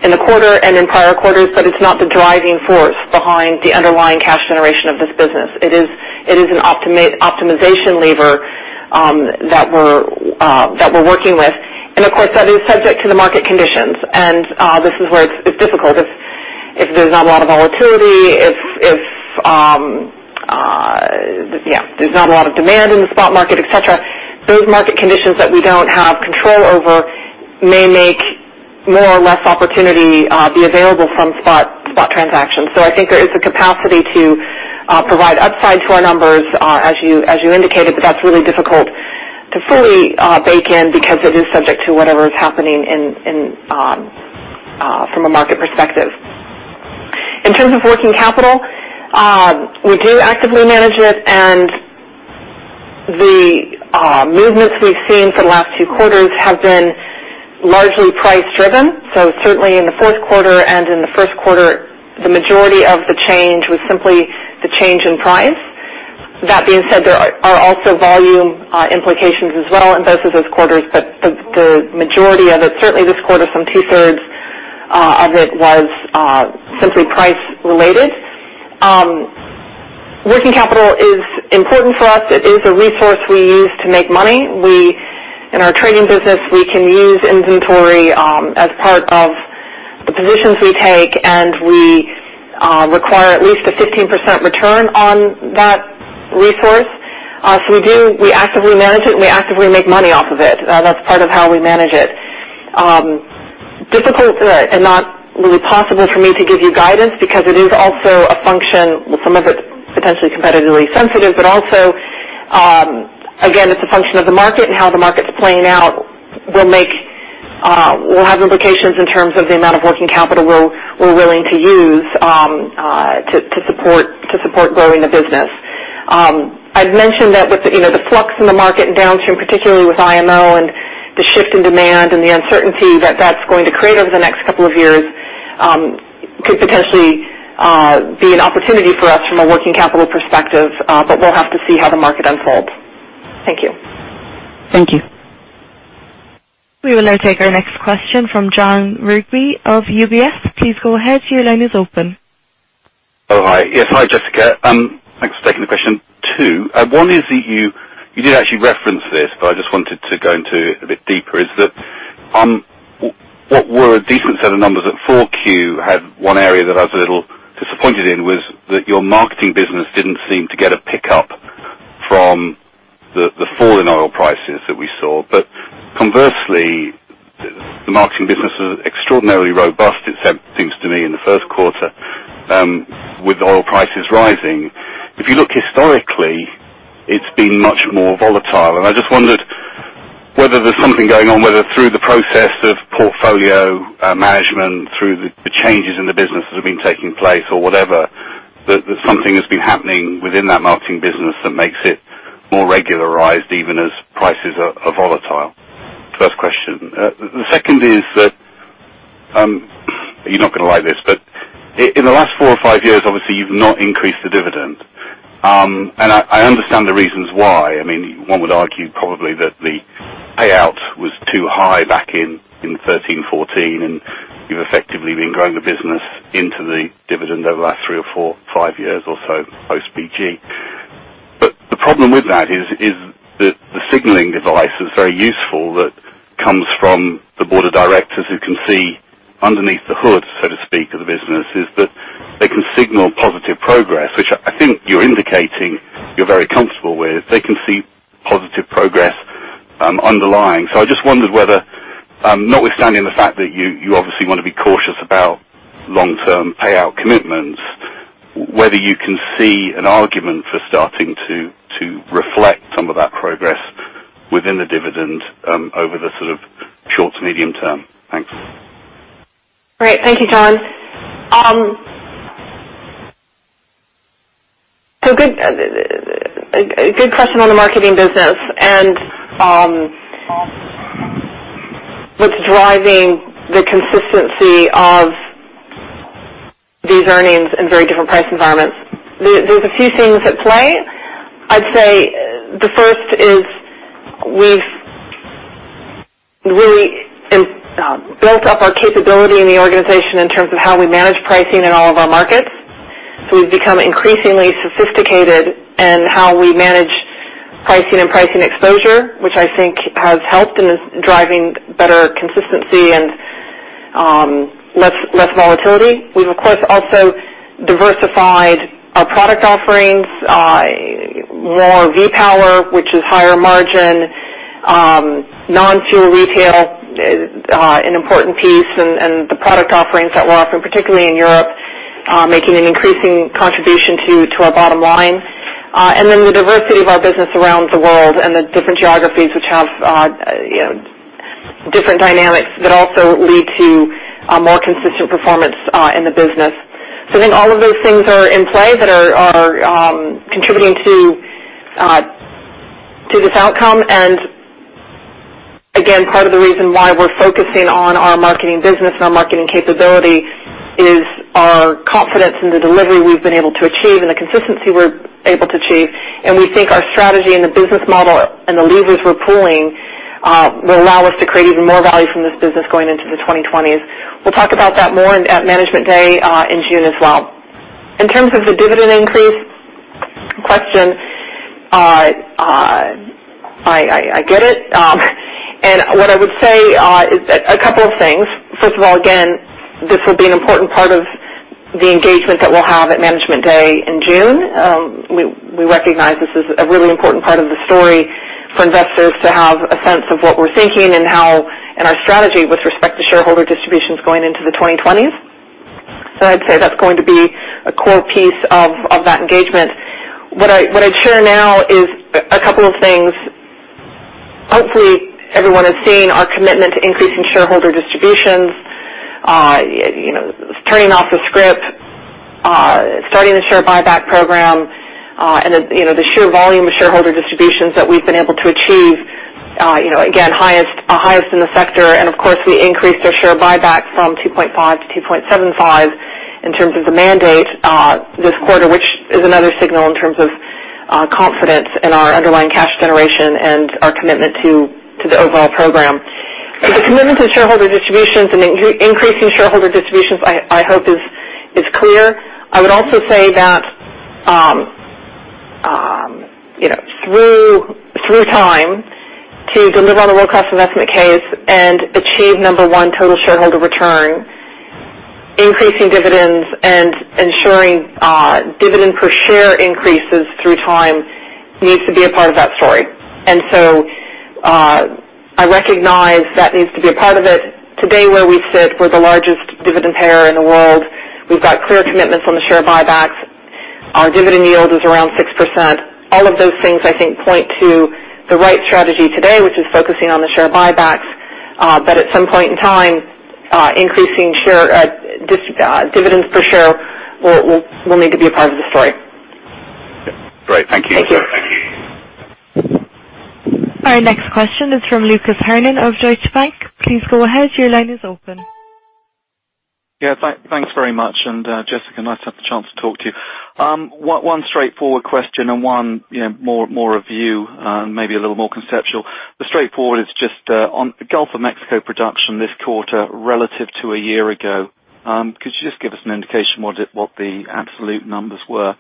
in the quarter and in prior quarters, but it's not the driving force behind the underlying cash generation of this business. It is an optimization lever, that we're working with. Of course, that is subject to the market conditions. This is where it's difficult. If there's not a lot of volatility, if there's not a lot of demand in the spot market, et cetera, those market conditions that we don't have control over may make more or less opportunity be available from spot transactions. I think there is a capacity to provide upside to our numbers, as you indicated, but that's really difficult to fully bake in because it is subject to whatever is happening from a market perspective. In terms of working capital, we do actively manage it, and the movements we've seen for the last two quarters have been largely price-driven. Certainly in the fourth quarter and in the first quarter, the majority of the change was simply the change in price. That being said, there are also volume implications as well in both of those quarters, but the majority of it, certainly this quarter, some two-thirds of it was simply price-related. Working capital is important for us. It is a resource we use to make money. In our trading business, we can use inventory as part of the positions we take, and we require at least a 15% return on that resource. We actively manage it, and we actively make money off of it. That's part of how we manage it. difficult, and not really possible for me to give you guidance because it is also a function, well, some of it's potentially competitively sensitive, but also, again, it's a function of the market and how the market's playing out will have implications in terms of the amount of working capital we're willing to use to support growing the business. I've mentioned that with the flux in the market and downstream, particularly with IMO and the shift in demand and the uncertainty that that's going to create over the next couple of years. Could potentially be an opportunity for us from a working capital perspective, but we'll have to see how the market unfolds. Thank you. Thank you. We will now take our next question from Jon Rigby of UBS. Please go ahead. Your line is open. Oh, hi. Yes. Hi, Jessica. Thanks for taking the question, too. One is that you did actually reference this, but I just wanted to go into it a bit deeper, is that what were a decent set of numbers at 4Q had one area that I was a little disappointed in, was that your marketing business didn't seem to get a pickup from the fall in oil prices that we saw. Conversely, the marketing business is extraordinarily robust, it seems to me, in the first quarter, with oil prices rising. If you look historically, it's been much more volatile, and I just wondered whether there's something going on, whether through the process of portfolio management, through the changes in the business that have been taking place or whatever, that something has been happening within that marketing business that makes it more regularized, even as prices are volatile. First question. The second is that, you're not going to like this, but in the last four or five years, obviously, you've not increased the dividend. I understand the reasons why. One would argue probably that the payout was too high back in 2013, 2014, and you've effectively been growing the business into the dividend over the last three or four, five years or so, post-BG. The problem with that is that the signaling device is very useful that comes from the board of directors who can see underneath the hood, so to speak, of the business, is that they can signal positive progress, which I think you're indicating you're very comfortable with. They can see positive progress underlying. I just wondered whether, notwithstanding the fact that you obviously want to be cautious about long-term payout commitments, whether you can see an argument for starting to reflect some of that progress within the dividend over the sort of short to medium term. Thanks. Great. Thank you, Jon. Good question on the marketing business and what's driving the consistency of these earnings in very different price environments. There's a few things at play. I'd say the first is we've really built up our capability in the organization in terms of how we manage pricing in all of our markets. We've become increasingly sophisticated in how we manage pricing and pricing exposure, which I think has helped in driving better consistency and less volatility. We, of course, also diversified our product offerings, more V-Power, which is higher margin. Non-fuel retail, an important piece, and the product offerings that we're offering, particularly in Europe, making an increasing contribution to our bottom line. The diversity of our business around the world and the different geographies which have different dynamics that also lead to a more consistent performance in the business. I think all of those things are in play that are contributing to this outcome. Again, part of the reason why we're focusing on our marketing business and our marketing capability is our confidence in the delivery we've been able to achieve and the consistency we're able to achieve. We think our strategy and the business model and the levers we're pulling will allow us to create even more value from this business going into the 2020s. We'll talk about that more at Management Day in June as well. In terms of the dividend increase question, I get it. What I would say is a couple of things. First of all, again, this will be an important part of the engagement that we'll have at Management Day in June. We recognize this is a really important part of the story for investors to have a sense of what we're thinking and our strategy with respect to shareholder distributions going into the 2020s. I'd say that's going to be a core piece of that engagement. What I'd share now is a couple of things. Hopefully everyone has seen our commitment to increasing shareholder distributions, turning off the scrip, starting the share buyback program, and the sheer volume of shareholder distributions that we've been able to achieve, again, highest in the sector. Of course, we increased our share buyback from $2.5 to $2.75 in terms of the mandate this quarter, which is another signal in terms of confidence in our underlying cash generation and our commitment to the overall program. The commitment to shareholder distributions and increasing shareholder distributions, I hope is clear. I would also say that through time, to deliver on the world-class investment case and achieve number one total shareholder return, increasing dividends and ensuring dividend per share increases through time needs to be a part of that story. I recognize that needs to be a part of it. Today, where we sit, we're the largest dividend payer in the world. We've got clear commitments on the share buybacks. Our dividend yield is around 6%. All of those things, I think, point to the right strategy today, which is focusing on the share buybacks. At some point in time, increasing dividends per share will need to be a part of the story. Great. Thank you. Thank you. Our next question is from Lucas Herrmann of Deutsche Bank. Please go ahead. Your line is open. Yeah. Thanks very much. Jessica, nice to have the chance to talk to you. One straightforward question and one more of you, maybe a little more conceptual. The straightforward is just on Gulf of Mexico production this quarter relative to a year ago, could you just give us an indication what the absolute numbers were?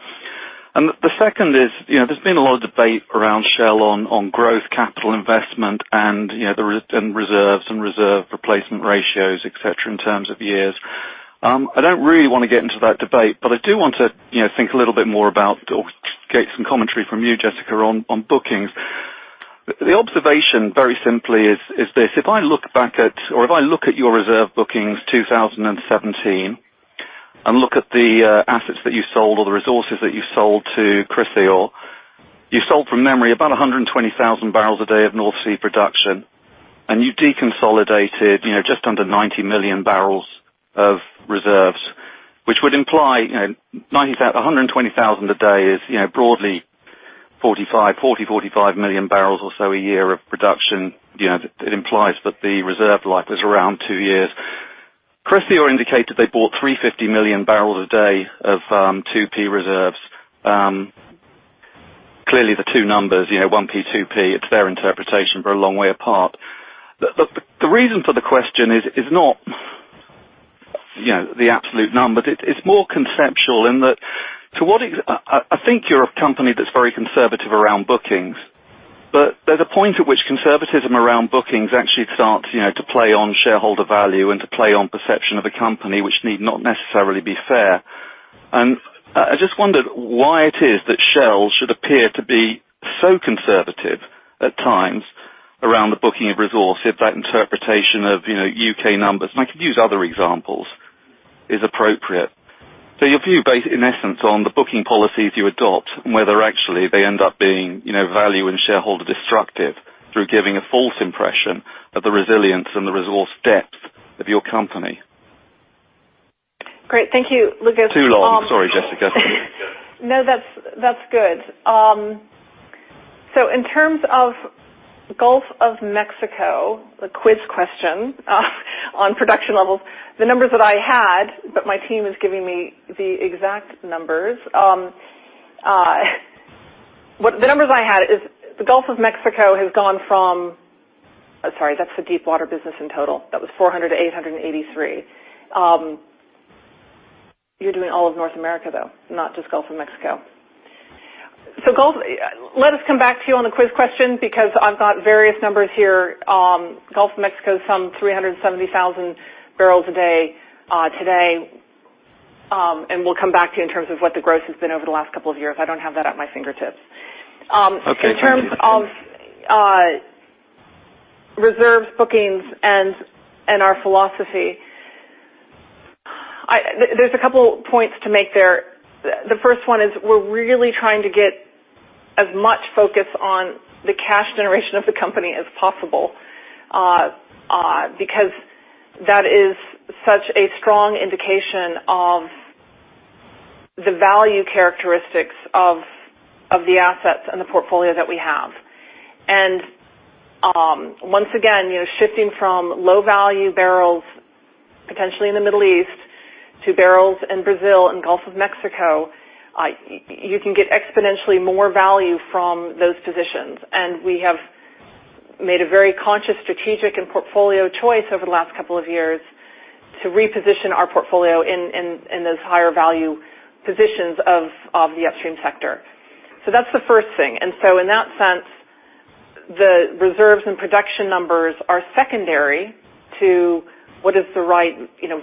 The second is, there's been a lot of debate around Shell on growth capital investment and reserves and reserve replacement ratios, et cetera, in terms of years. I don't really want to get into that debate, I do want to think a little bit more about, or get some commentary from you, Jessica, on bookings. The observation, very simply, is this. If I look at your reserve bookings 2017, and look at the assets that you sold or the resources that you sold to Chrysaor, you sold from memory about 120,000 barrels a day of North Sea production, and you deconsolidated just under 90 million barrels of reserves. Which would imply, 120,000 a day is broadly 40, 45 million barrels or so a year of production. It implies that the reserve life is around two years. Chrysaor indicated they bought 350 million barrels a day of 2P reserves. Clearly the two numbers, 1P, 2P, it's their interpretation, but a long way apart. The reason for the question is not the absolute number. It's more conceptual in that I think you're a company that's very conservative around bookings. There's a point at which conservatism around bookings actually starts to play on shareholder value and to play on perception of a company which need not necessarily be fair. I just wondered why it is that Shell should appear to be so conservative at times around the booking of resource if that interpretation of U.K. numbers, and I could use other examples, is appropriate. Your view, in essence, on the booking policies you adopt and whether actually they end up being value and shareholder destructive through giving a false impression of the resilience and the resource depth of your company. Great. Thank you, Lucas. Too long. Sorry, Jessica. That's good. In terms of Gulf of Mexico, the quiz question on production levels, the numbers that I had, but my team is giving me the exact numbers. The numbers I had is the Gulf of Mexico has gone from. Sorry, that's the deepwater business in total. That was 400 to 883. You're doing all of North America, though, not just Gulf of Mexico. Let us come back to you on the quiz question because I've got various numbers here. Gulf of Mexico, some 370,000 barrels a day today, we'll come back to you in terms of what the growth has been over the last couple of years. I don't have that at my fingertips. Okay. In terms of reserves bookings and our philosophy, there's a couple points to make there. The first one is we're really trying to get as much focus on the cash generation of the company as possible, because that is such a strong indication of the value characteristics of the assets and the portfolio that we have. Once again, shifting from low-value barrels, potentially in the Middle East, to barrels in Brazil and Gulf of Mexico, you can get exponentially more value from those positions. We have made a very conscious strategic and portfolio choice over the last couple of years to reposition our portfolio in those higher value positions of the upstream sector. That's the first thing. In that sense, the reserves and production numbers are secondary to what is the right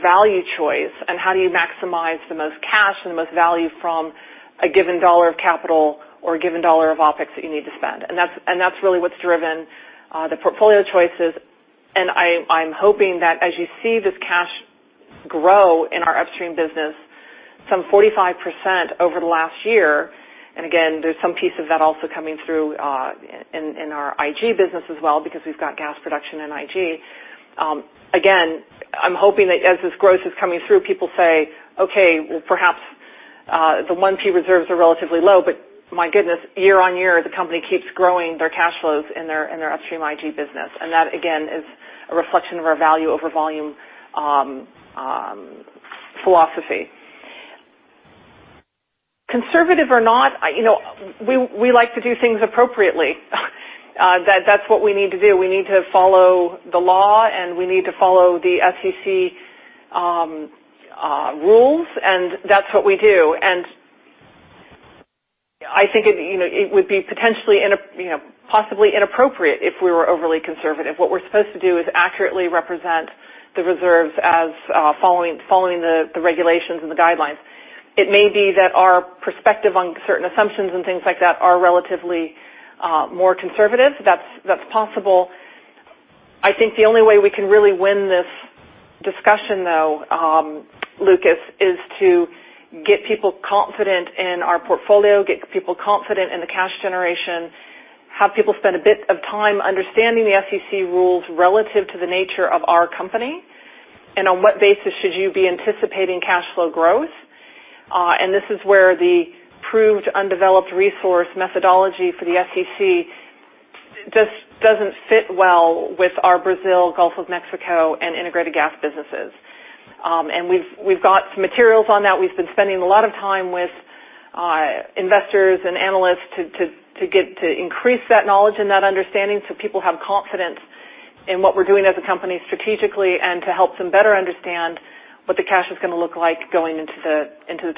value choice and how do you maximize the most cash and the most value from a given dollar of capital or a given dollar of OpEx that you need to spend. That's really what's driven the portfolio choices, I'm hoping that as you see this cash grow in our upstream business some 45% over the last year, again, there's some piece of that also coming through in our IG business as well because we've got gas production in IG. Again, I'm hoping that as this growth is coming through, people say, okay, well, perhaps the 1P reserves are relatively low, but my goodness, year-on-year the company keeps growing their cash flows in their upstream IG business. That again is a reflection of our value over volume philosophy. Conservative or not, we like to do things appropriately. That's what we need to do. We need to follow the law, we need to follow the SEC rules, that's what we do. I think it would be possibly inappropriate if we were overly conservative. What we're supposed to do is accurately represent the reserves as following the regulations and the guidelines. It may be that our perspective on certain assumptions and things like that are relatively more conservative. That's possible. I think the only way we can really win this discussion, though, Lucas, is to get people confident in our portfolio, get people confident in the cash generation, have people spend a bit of time understanding the SEC rules relative to the nature of our company, and on what basis should you be anticipating cash flow growth. This is where the proved undeveloped resource methodology for the SEC just doesn't fit well with our Brazil, Gulf of Mexico, and integrated gas businesses. We've got some materials on that. We've been spending a lot of time with investors and analysts to increase that knowledge and that understanding so people have confidence in what we're doing as a company strategically, and to help them better understand what the cash is going to look like going into the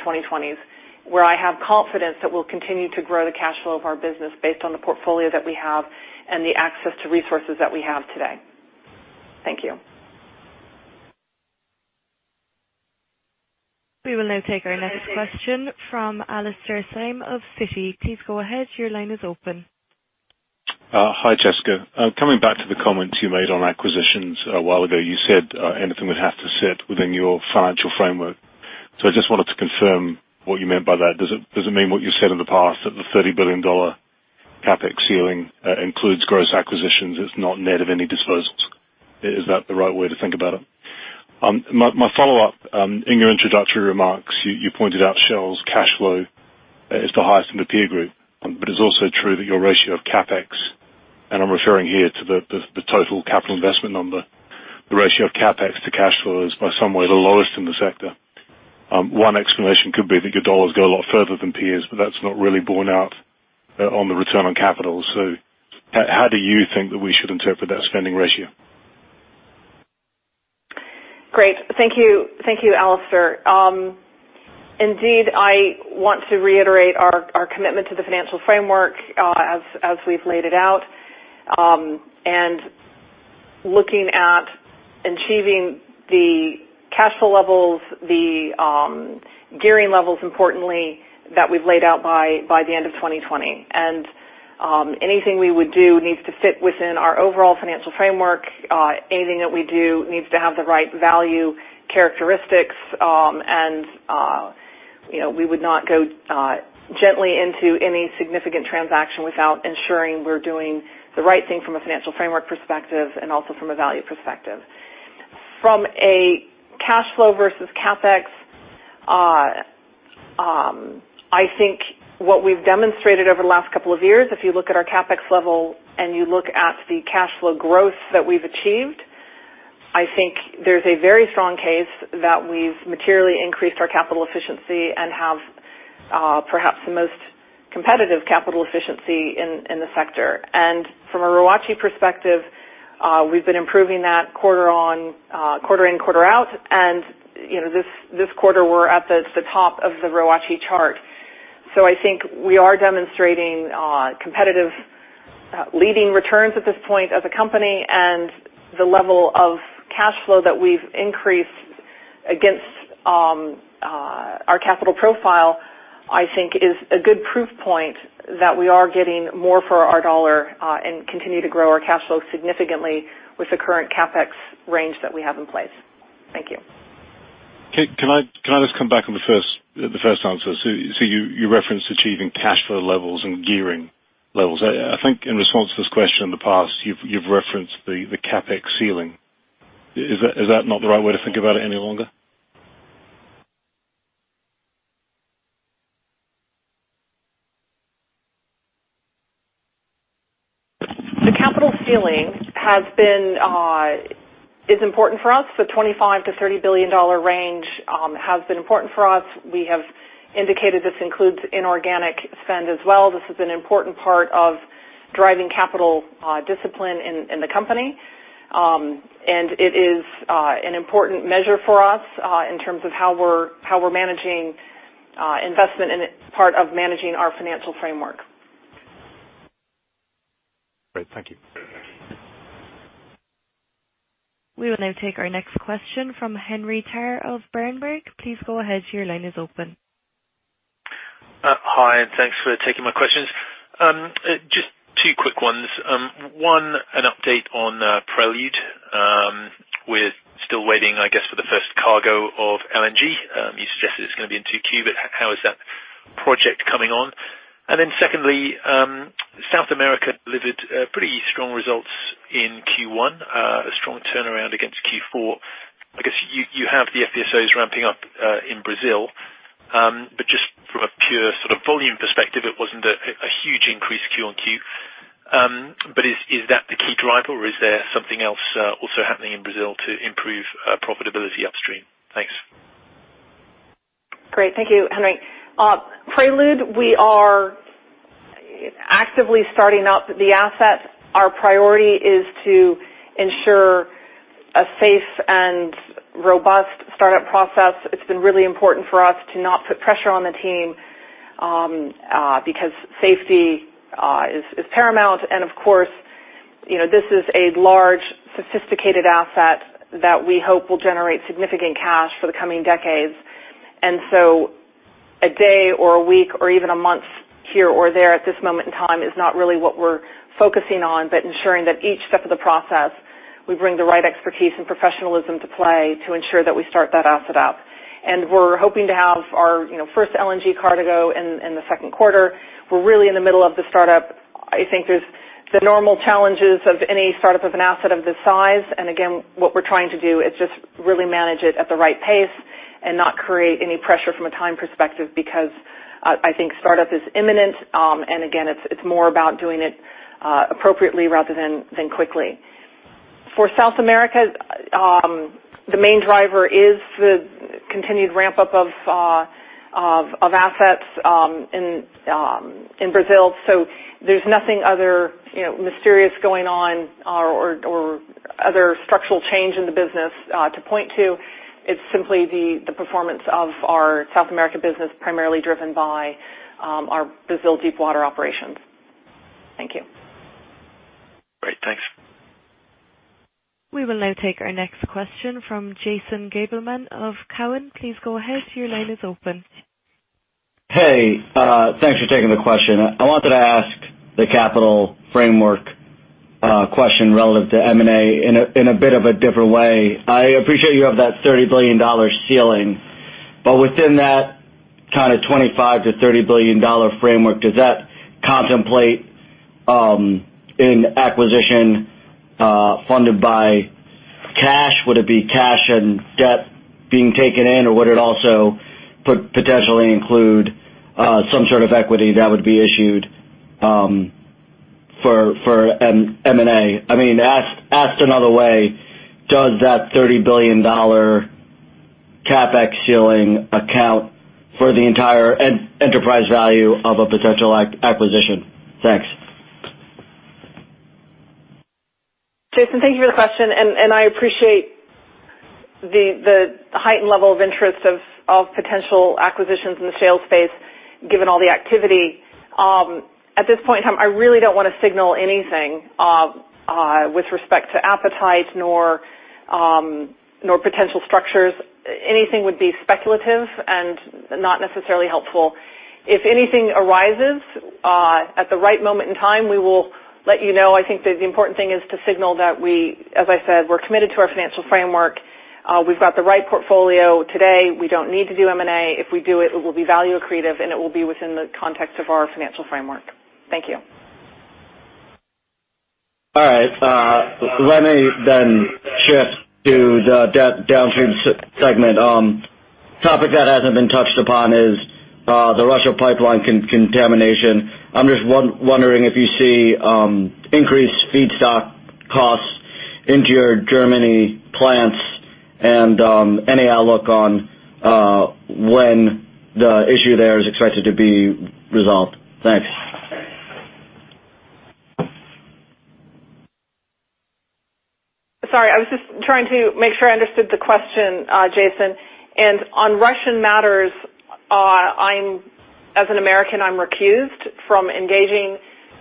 2020s, where I have confidence that we'll continue to grow the cash flow of our business based on the portfolio that we have and the access to resources that we have today. Thank you. We will now take our next question from Alastair Syme of Citi. Please go ahead. Your line is open. Hi, Jessica. Coming back to the comments you made on acquisitions a while ago, you said anything would have to sit within your financial framework. I just wanted to confirm what you meant by that. Does it mean what you said in the past, that the $30 billion CapEx ceiling includes gross acquisitions, it's not net of any disposals? Is that the right way to think about it? My follow-up, in your introductory remarks, you pointed out Shell's cash flow is the highest in the peer group. It's also true that your ratio of CapEx, and I'm referring here to the total capital investment number, the ratio of CapEx to cash flow is by some way the lowest in the sector. One explanation could be that your dollars go a lot further than peers, but that's not really borne out on the return on capital. How do you think that we should interpret that spending ratio? Great. Thank you, Alastair. Indeed, I want to reiterate our commitment to the financial framework as we've laid it out, and looking at achieving the cash flow levels, the gearing levels, importantly, that we've laid out by the end of 2020. Anything we would do needs to fit within our overall financial framework. Anything that we do needs to have the right value characteristics. We would not go gently into any significant transaction without ensuring we're doing the right thing from a financial framework perspective and also from a value perspective. From a cash flow versus CapEx, I think what we've demonstrated over the last couple of years, if you look at our CapEx level and you look at the cash flow growth that we've achieved, I think there's a very strong case that we've materially increased our capital efficiency and have perhaps the most competitive capital efficiency in the sector. From a ROACE perspective, we've been improving that quarter in, quarter out. This quarter, we're at the top of the ROACE chart. I think we are demonstrating competitive leading returns at this point as a company, and the level of cash flow that we've increased against our capital profile, I think is a good proof point that we are getting more for our dollar, and continue to grow our cash flow significantly with the current CapEx range that we have in place. Thank you. Can I just come back on the first answer? You referenced achieving cash flow levels and gearing levels. I think in response to this question in the past, you've referenced the CapEx ceiling. Is that not the right way to think about it any longer? The capital ceiling is important for us. The $25 billion-$30 billion range has been important for us. We have indicated this includes inorganic spend as well. This is an important part of driving capital discipline in the company. It is an important measure for us in terms of how we're managing investment and it's part of managing our financial framework. Great. Thank you. We will now take our next question from Henry Tarr of Berenberg. Please go ahead, your line is open. Hi, thanks for taking my questions. Just two quick ones. One, an update on Prelude. We're still waiting, I guess, for the first cargo of LNG. You suggested it's going to be in 2Q, how is that project coming on? Secondly, South America delivered pretty strong results in Q1, a strong turnaround against Q4. I guess you have the FPSOs ramping up in Brazil. Just from a pure volume perspective, it wasn't a huge increase Q-on-Q. Is that the key driver or is there something else also happening in Brazil to improve profitability upstream? Thanks. Great. Thank you, Henry. Prelude, we are actively starting up the asset. Our priority is to ensure a safe and robust startup process. It's been really important for us to not put pressure on the team, because safety is paramount, and of course, this is a large, sophisticated asset that we hope will generate significant cash for the coming decades. A day or a week or even a month here or there at this moment in time is not really what we're focusing on, but ensuring that each step of the process, we bring the right expertise and professionalism to play to ensure that we start that asset up. We're hoping to have our first LNG cargo in the second quarter. We're really in the middle of the startup. I think there's the normal challenges of any startup of an asset of this size. Again, what we're trying to do is just really manage it at the right pace and not create any pressure from a time perspective, because I think startup is imminent. Again, it's more about doing it appropriately rather than quickly. For South America, the main driver is the continued ramp-up of assets in Brazil. There's nothing other mysterious going on or other structural change in the business to point to. It's simply the performance of our South America business, primarily driven by our Brazil deepwater operations. Thank you. Great. Thanks. We will now take our next question from Jason Gabelman of Cowen. Please go ahead. Your line is open. Hey, thanks for taking the question. I wanted to ask the capital framework question relative to M&A in a bit of a different way. I appreciate you have that $30 billion ceiling, but within that kind of $25 billion-$30 billion framework, does that contemplate an acquisition funded by cash? Would it be cash and debt being taken in, or would it also potentially include some sort of equity that would be issued for M&A? Asked another way, does that $30 billion CapEx ceiling account for the entire enterprise value of a potential acquisition? Thanks. Jason, thank you for your question. I appreciate the heightened level of interest of potential acquisitions in the Shell space, given all the activity. At this point in time, I really don't want to signal anything with respect to appetite nor potential structures. Anything would be speculative and not necessarily helpful. If anything arises at the right moment in time, we will let you know. I think that the important thing is to signal that we, as I said, we're committed to our financial framework. We've got the right portfolio today. We don't need to do M&A. If we do it will be value accretive, and it will be within the context of our financial framework. Thank you. All right. Let me shift to the downstream segment. Topic that hasn't been touched upon is the Russia pipeline contamination. I'm just wondering if you see increased feedstock costs into your Germany plants and any outlook on when the issue there is expected to be resolved. Thanks. Sorry, I was just trying to make sure I understood the question, Jason. On Russian matters, as an American, I'm recused from engaging.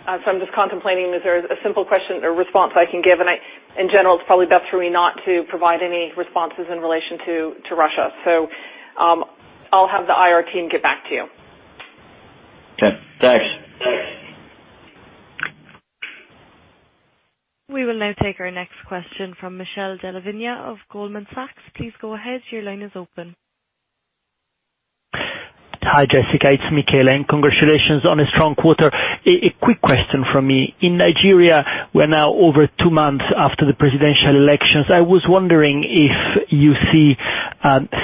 I'm just contemplating if there's a simple question or response I can give. In general, it's probably best for me not to provide any responses in relation to Russia. I'll have the IR team get back to you. Okay, thanks. We will now take our next question from Michele Della Vigna of Goldman Sachs. Please go ahead. Your line is open. Hi, Jessica. Michele, congratulations on a strong quarter. A quick question from me. In Nigeria, we're now over two months after the presidential elections. I was wondering if you see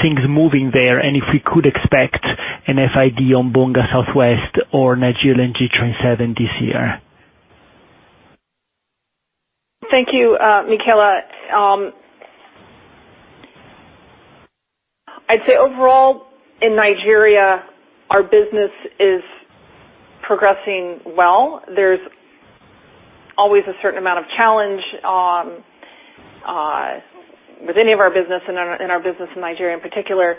things moving there and if we could expect an FID on Bonga Southwest or Nigeria LNG Train 7 this year. Thank you, Michele. I'd say overall in Nigeria, our business is progressing well. There's always a certain amount of challenge with any of our business and our business in Nigeria in particular.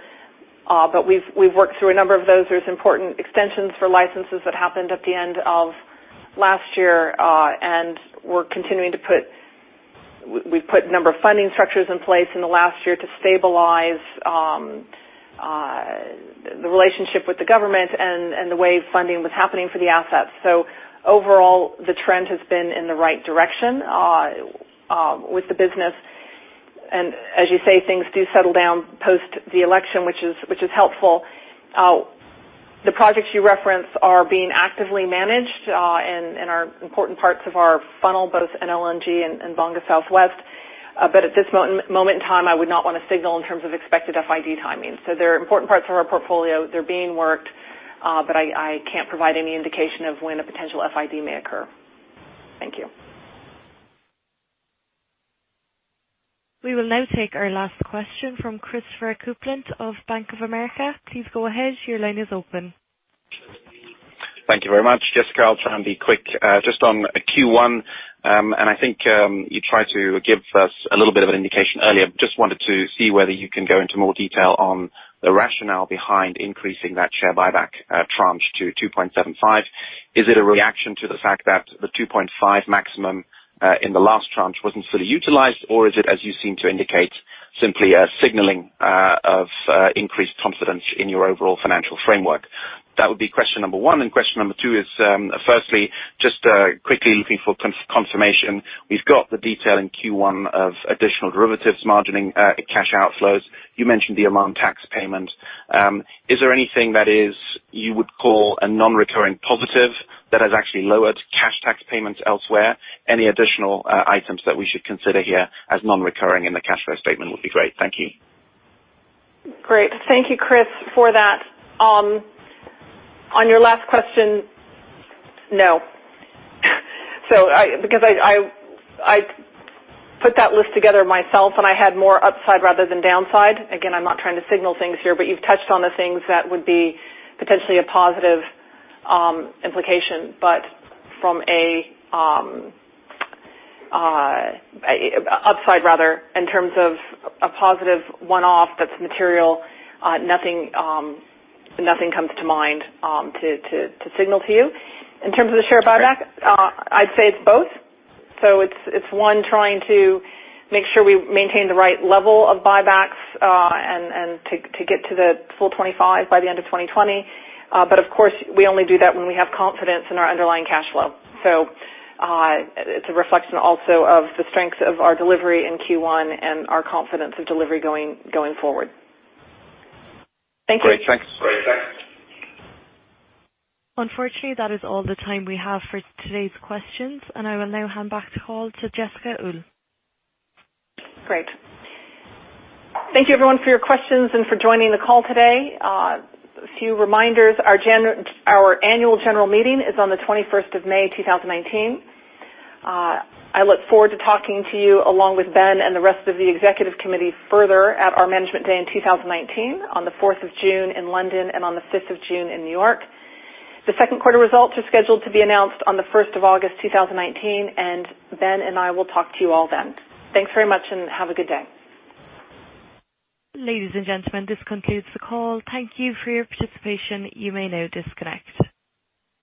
We've worked through a number of those. There's important extensions for licenses that happened at the end of last year. We're continuing to put number of funding structures in place in the last year to stabilize the relationship with the government and the way funding was happening for the assets. Overall, the trend has been in the right direction with the business. As you say, things do settle down post the election, which is helpful. The projects you reference are being actively managed and are important parts of our funnel, both NLNG and Bonga Southwest. At this moment in time, I would not want to signal in terms of expected FID timing. They're important parts of our portfolio. They're being worked, I can't provide any indication of when a potential FID may occur. Thank you. We will now take our last question from Christopher Kuplent of Bank of America. Please go ahead. Your line is open. Thank you very much, Jessica. I'll try and be quick. Just on Q1, I think you tried to give us a little bit of an indication earlier. Just wanted to see whether you can go into more detail on the rationale behind increasing that share buyback tranche to $2.75. Is it a reaction to the fact that the $2.5 maximum in the last tranche wasn't fully utilized, is it, as you seem to indicate, simply a signaling of increased confidence in your overall financial framework? That would be question number one. Question number two is, firstly, just quickly looking for confirmation. We've got the detail in Q1 of additional derivatives margining cash outflows. You mentioned the amount of tax payment. Is there anything that you would call a non-recurring positive that has actually lowered cash tax payments elsewhere? Any additional items that we should consider here as non-recurring in the cash flow statement would be great. Thank you. Great. Thank you, Chris, for that. On your last question, no. I put that list together myself, and I had more upside rather than downside. Again, I'm not trying to signal things here, but you've touched on the things that would be potentially a positive implication. From a upside rather, in terms of a positive one-off that's material, nothing comes to mind to signal to you. In terms of the share buyback, I'd say it's both. It's one, trying to make sure we maintain the right level of buybacks and to get to the full 25 by the end of 2020. Of course, we only do that when we have confidence in our underlying cash flow. It's a reflection also of the strength of our delivery in Q1 and our confidence of delivery going forward. Thank you. Great. Thanks. Unfortunately, that is all the time we have for today's questions. I will now hand back the call to Jessica Uhl. Great. Thank you everyone for your questions and for joining the call today. A few reminders. Our annual general meeting is on the 21st of May, 2019. I look forward to talking to you along with Ben and the rest of the executive committee further at our management day in 2019 on the 4th of June in London and on the 5th of June in New York. The second quarter results are scheduled to be announced on the 1st of August 2019. Ben and I will talk to you all then. Thanks very much. Have a good day. Ladies and gentlemen, this concludes the call. Thank you for your participation. You may now disconnect.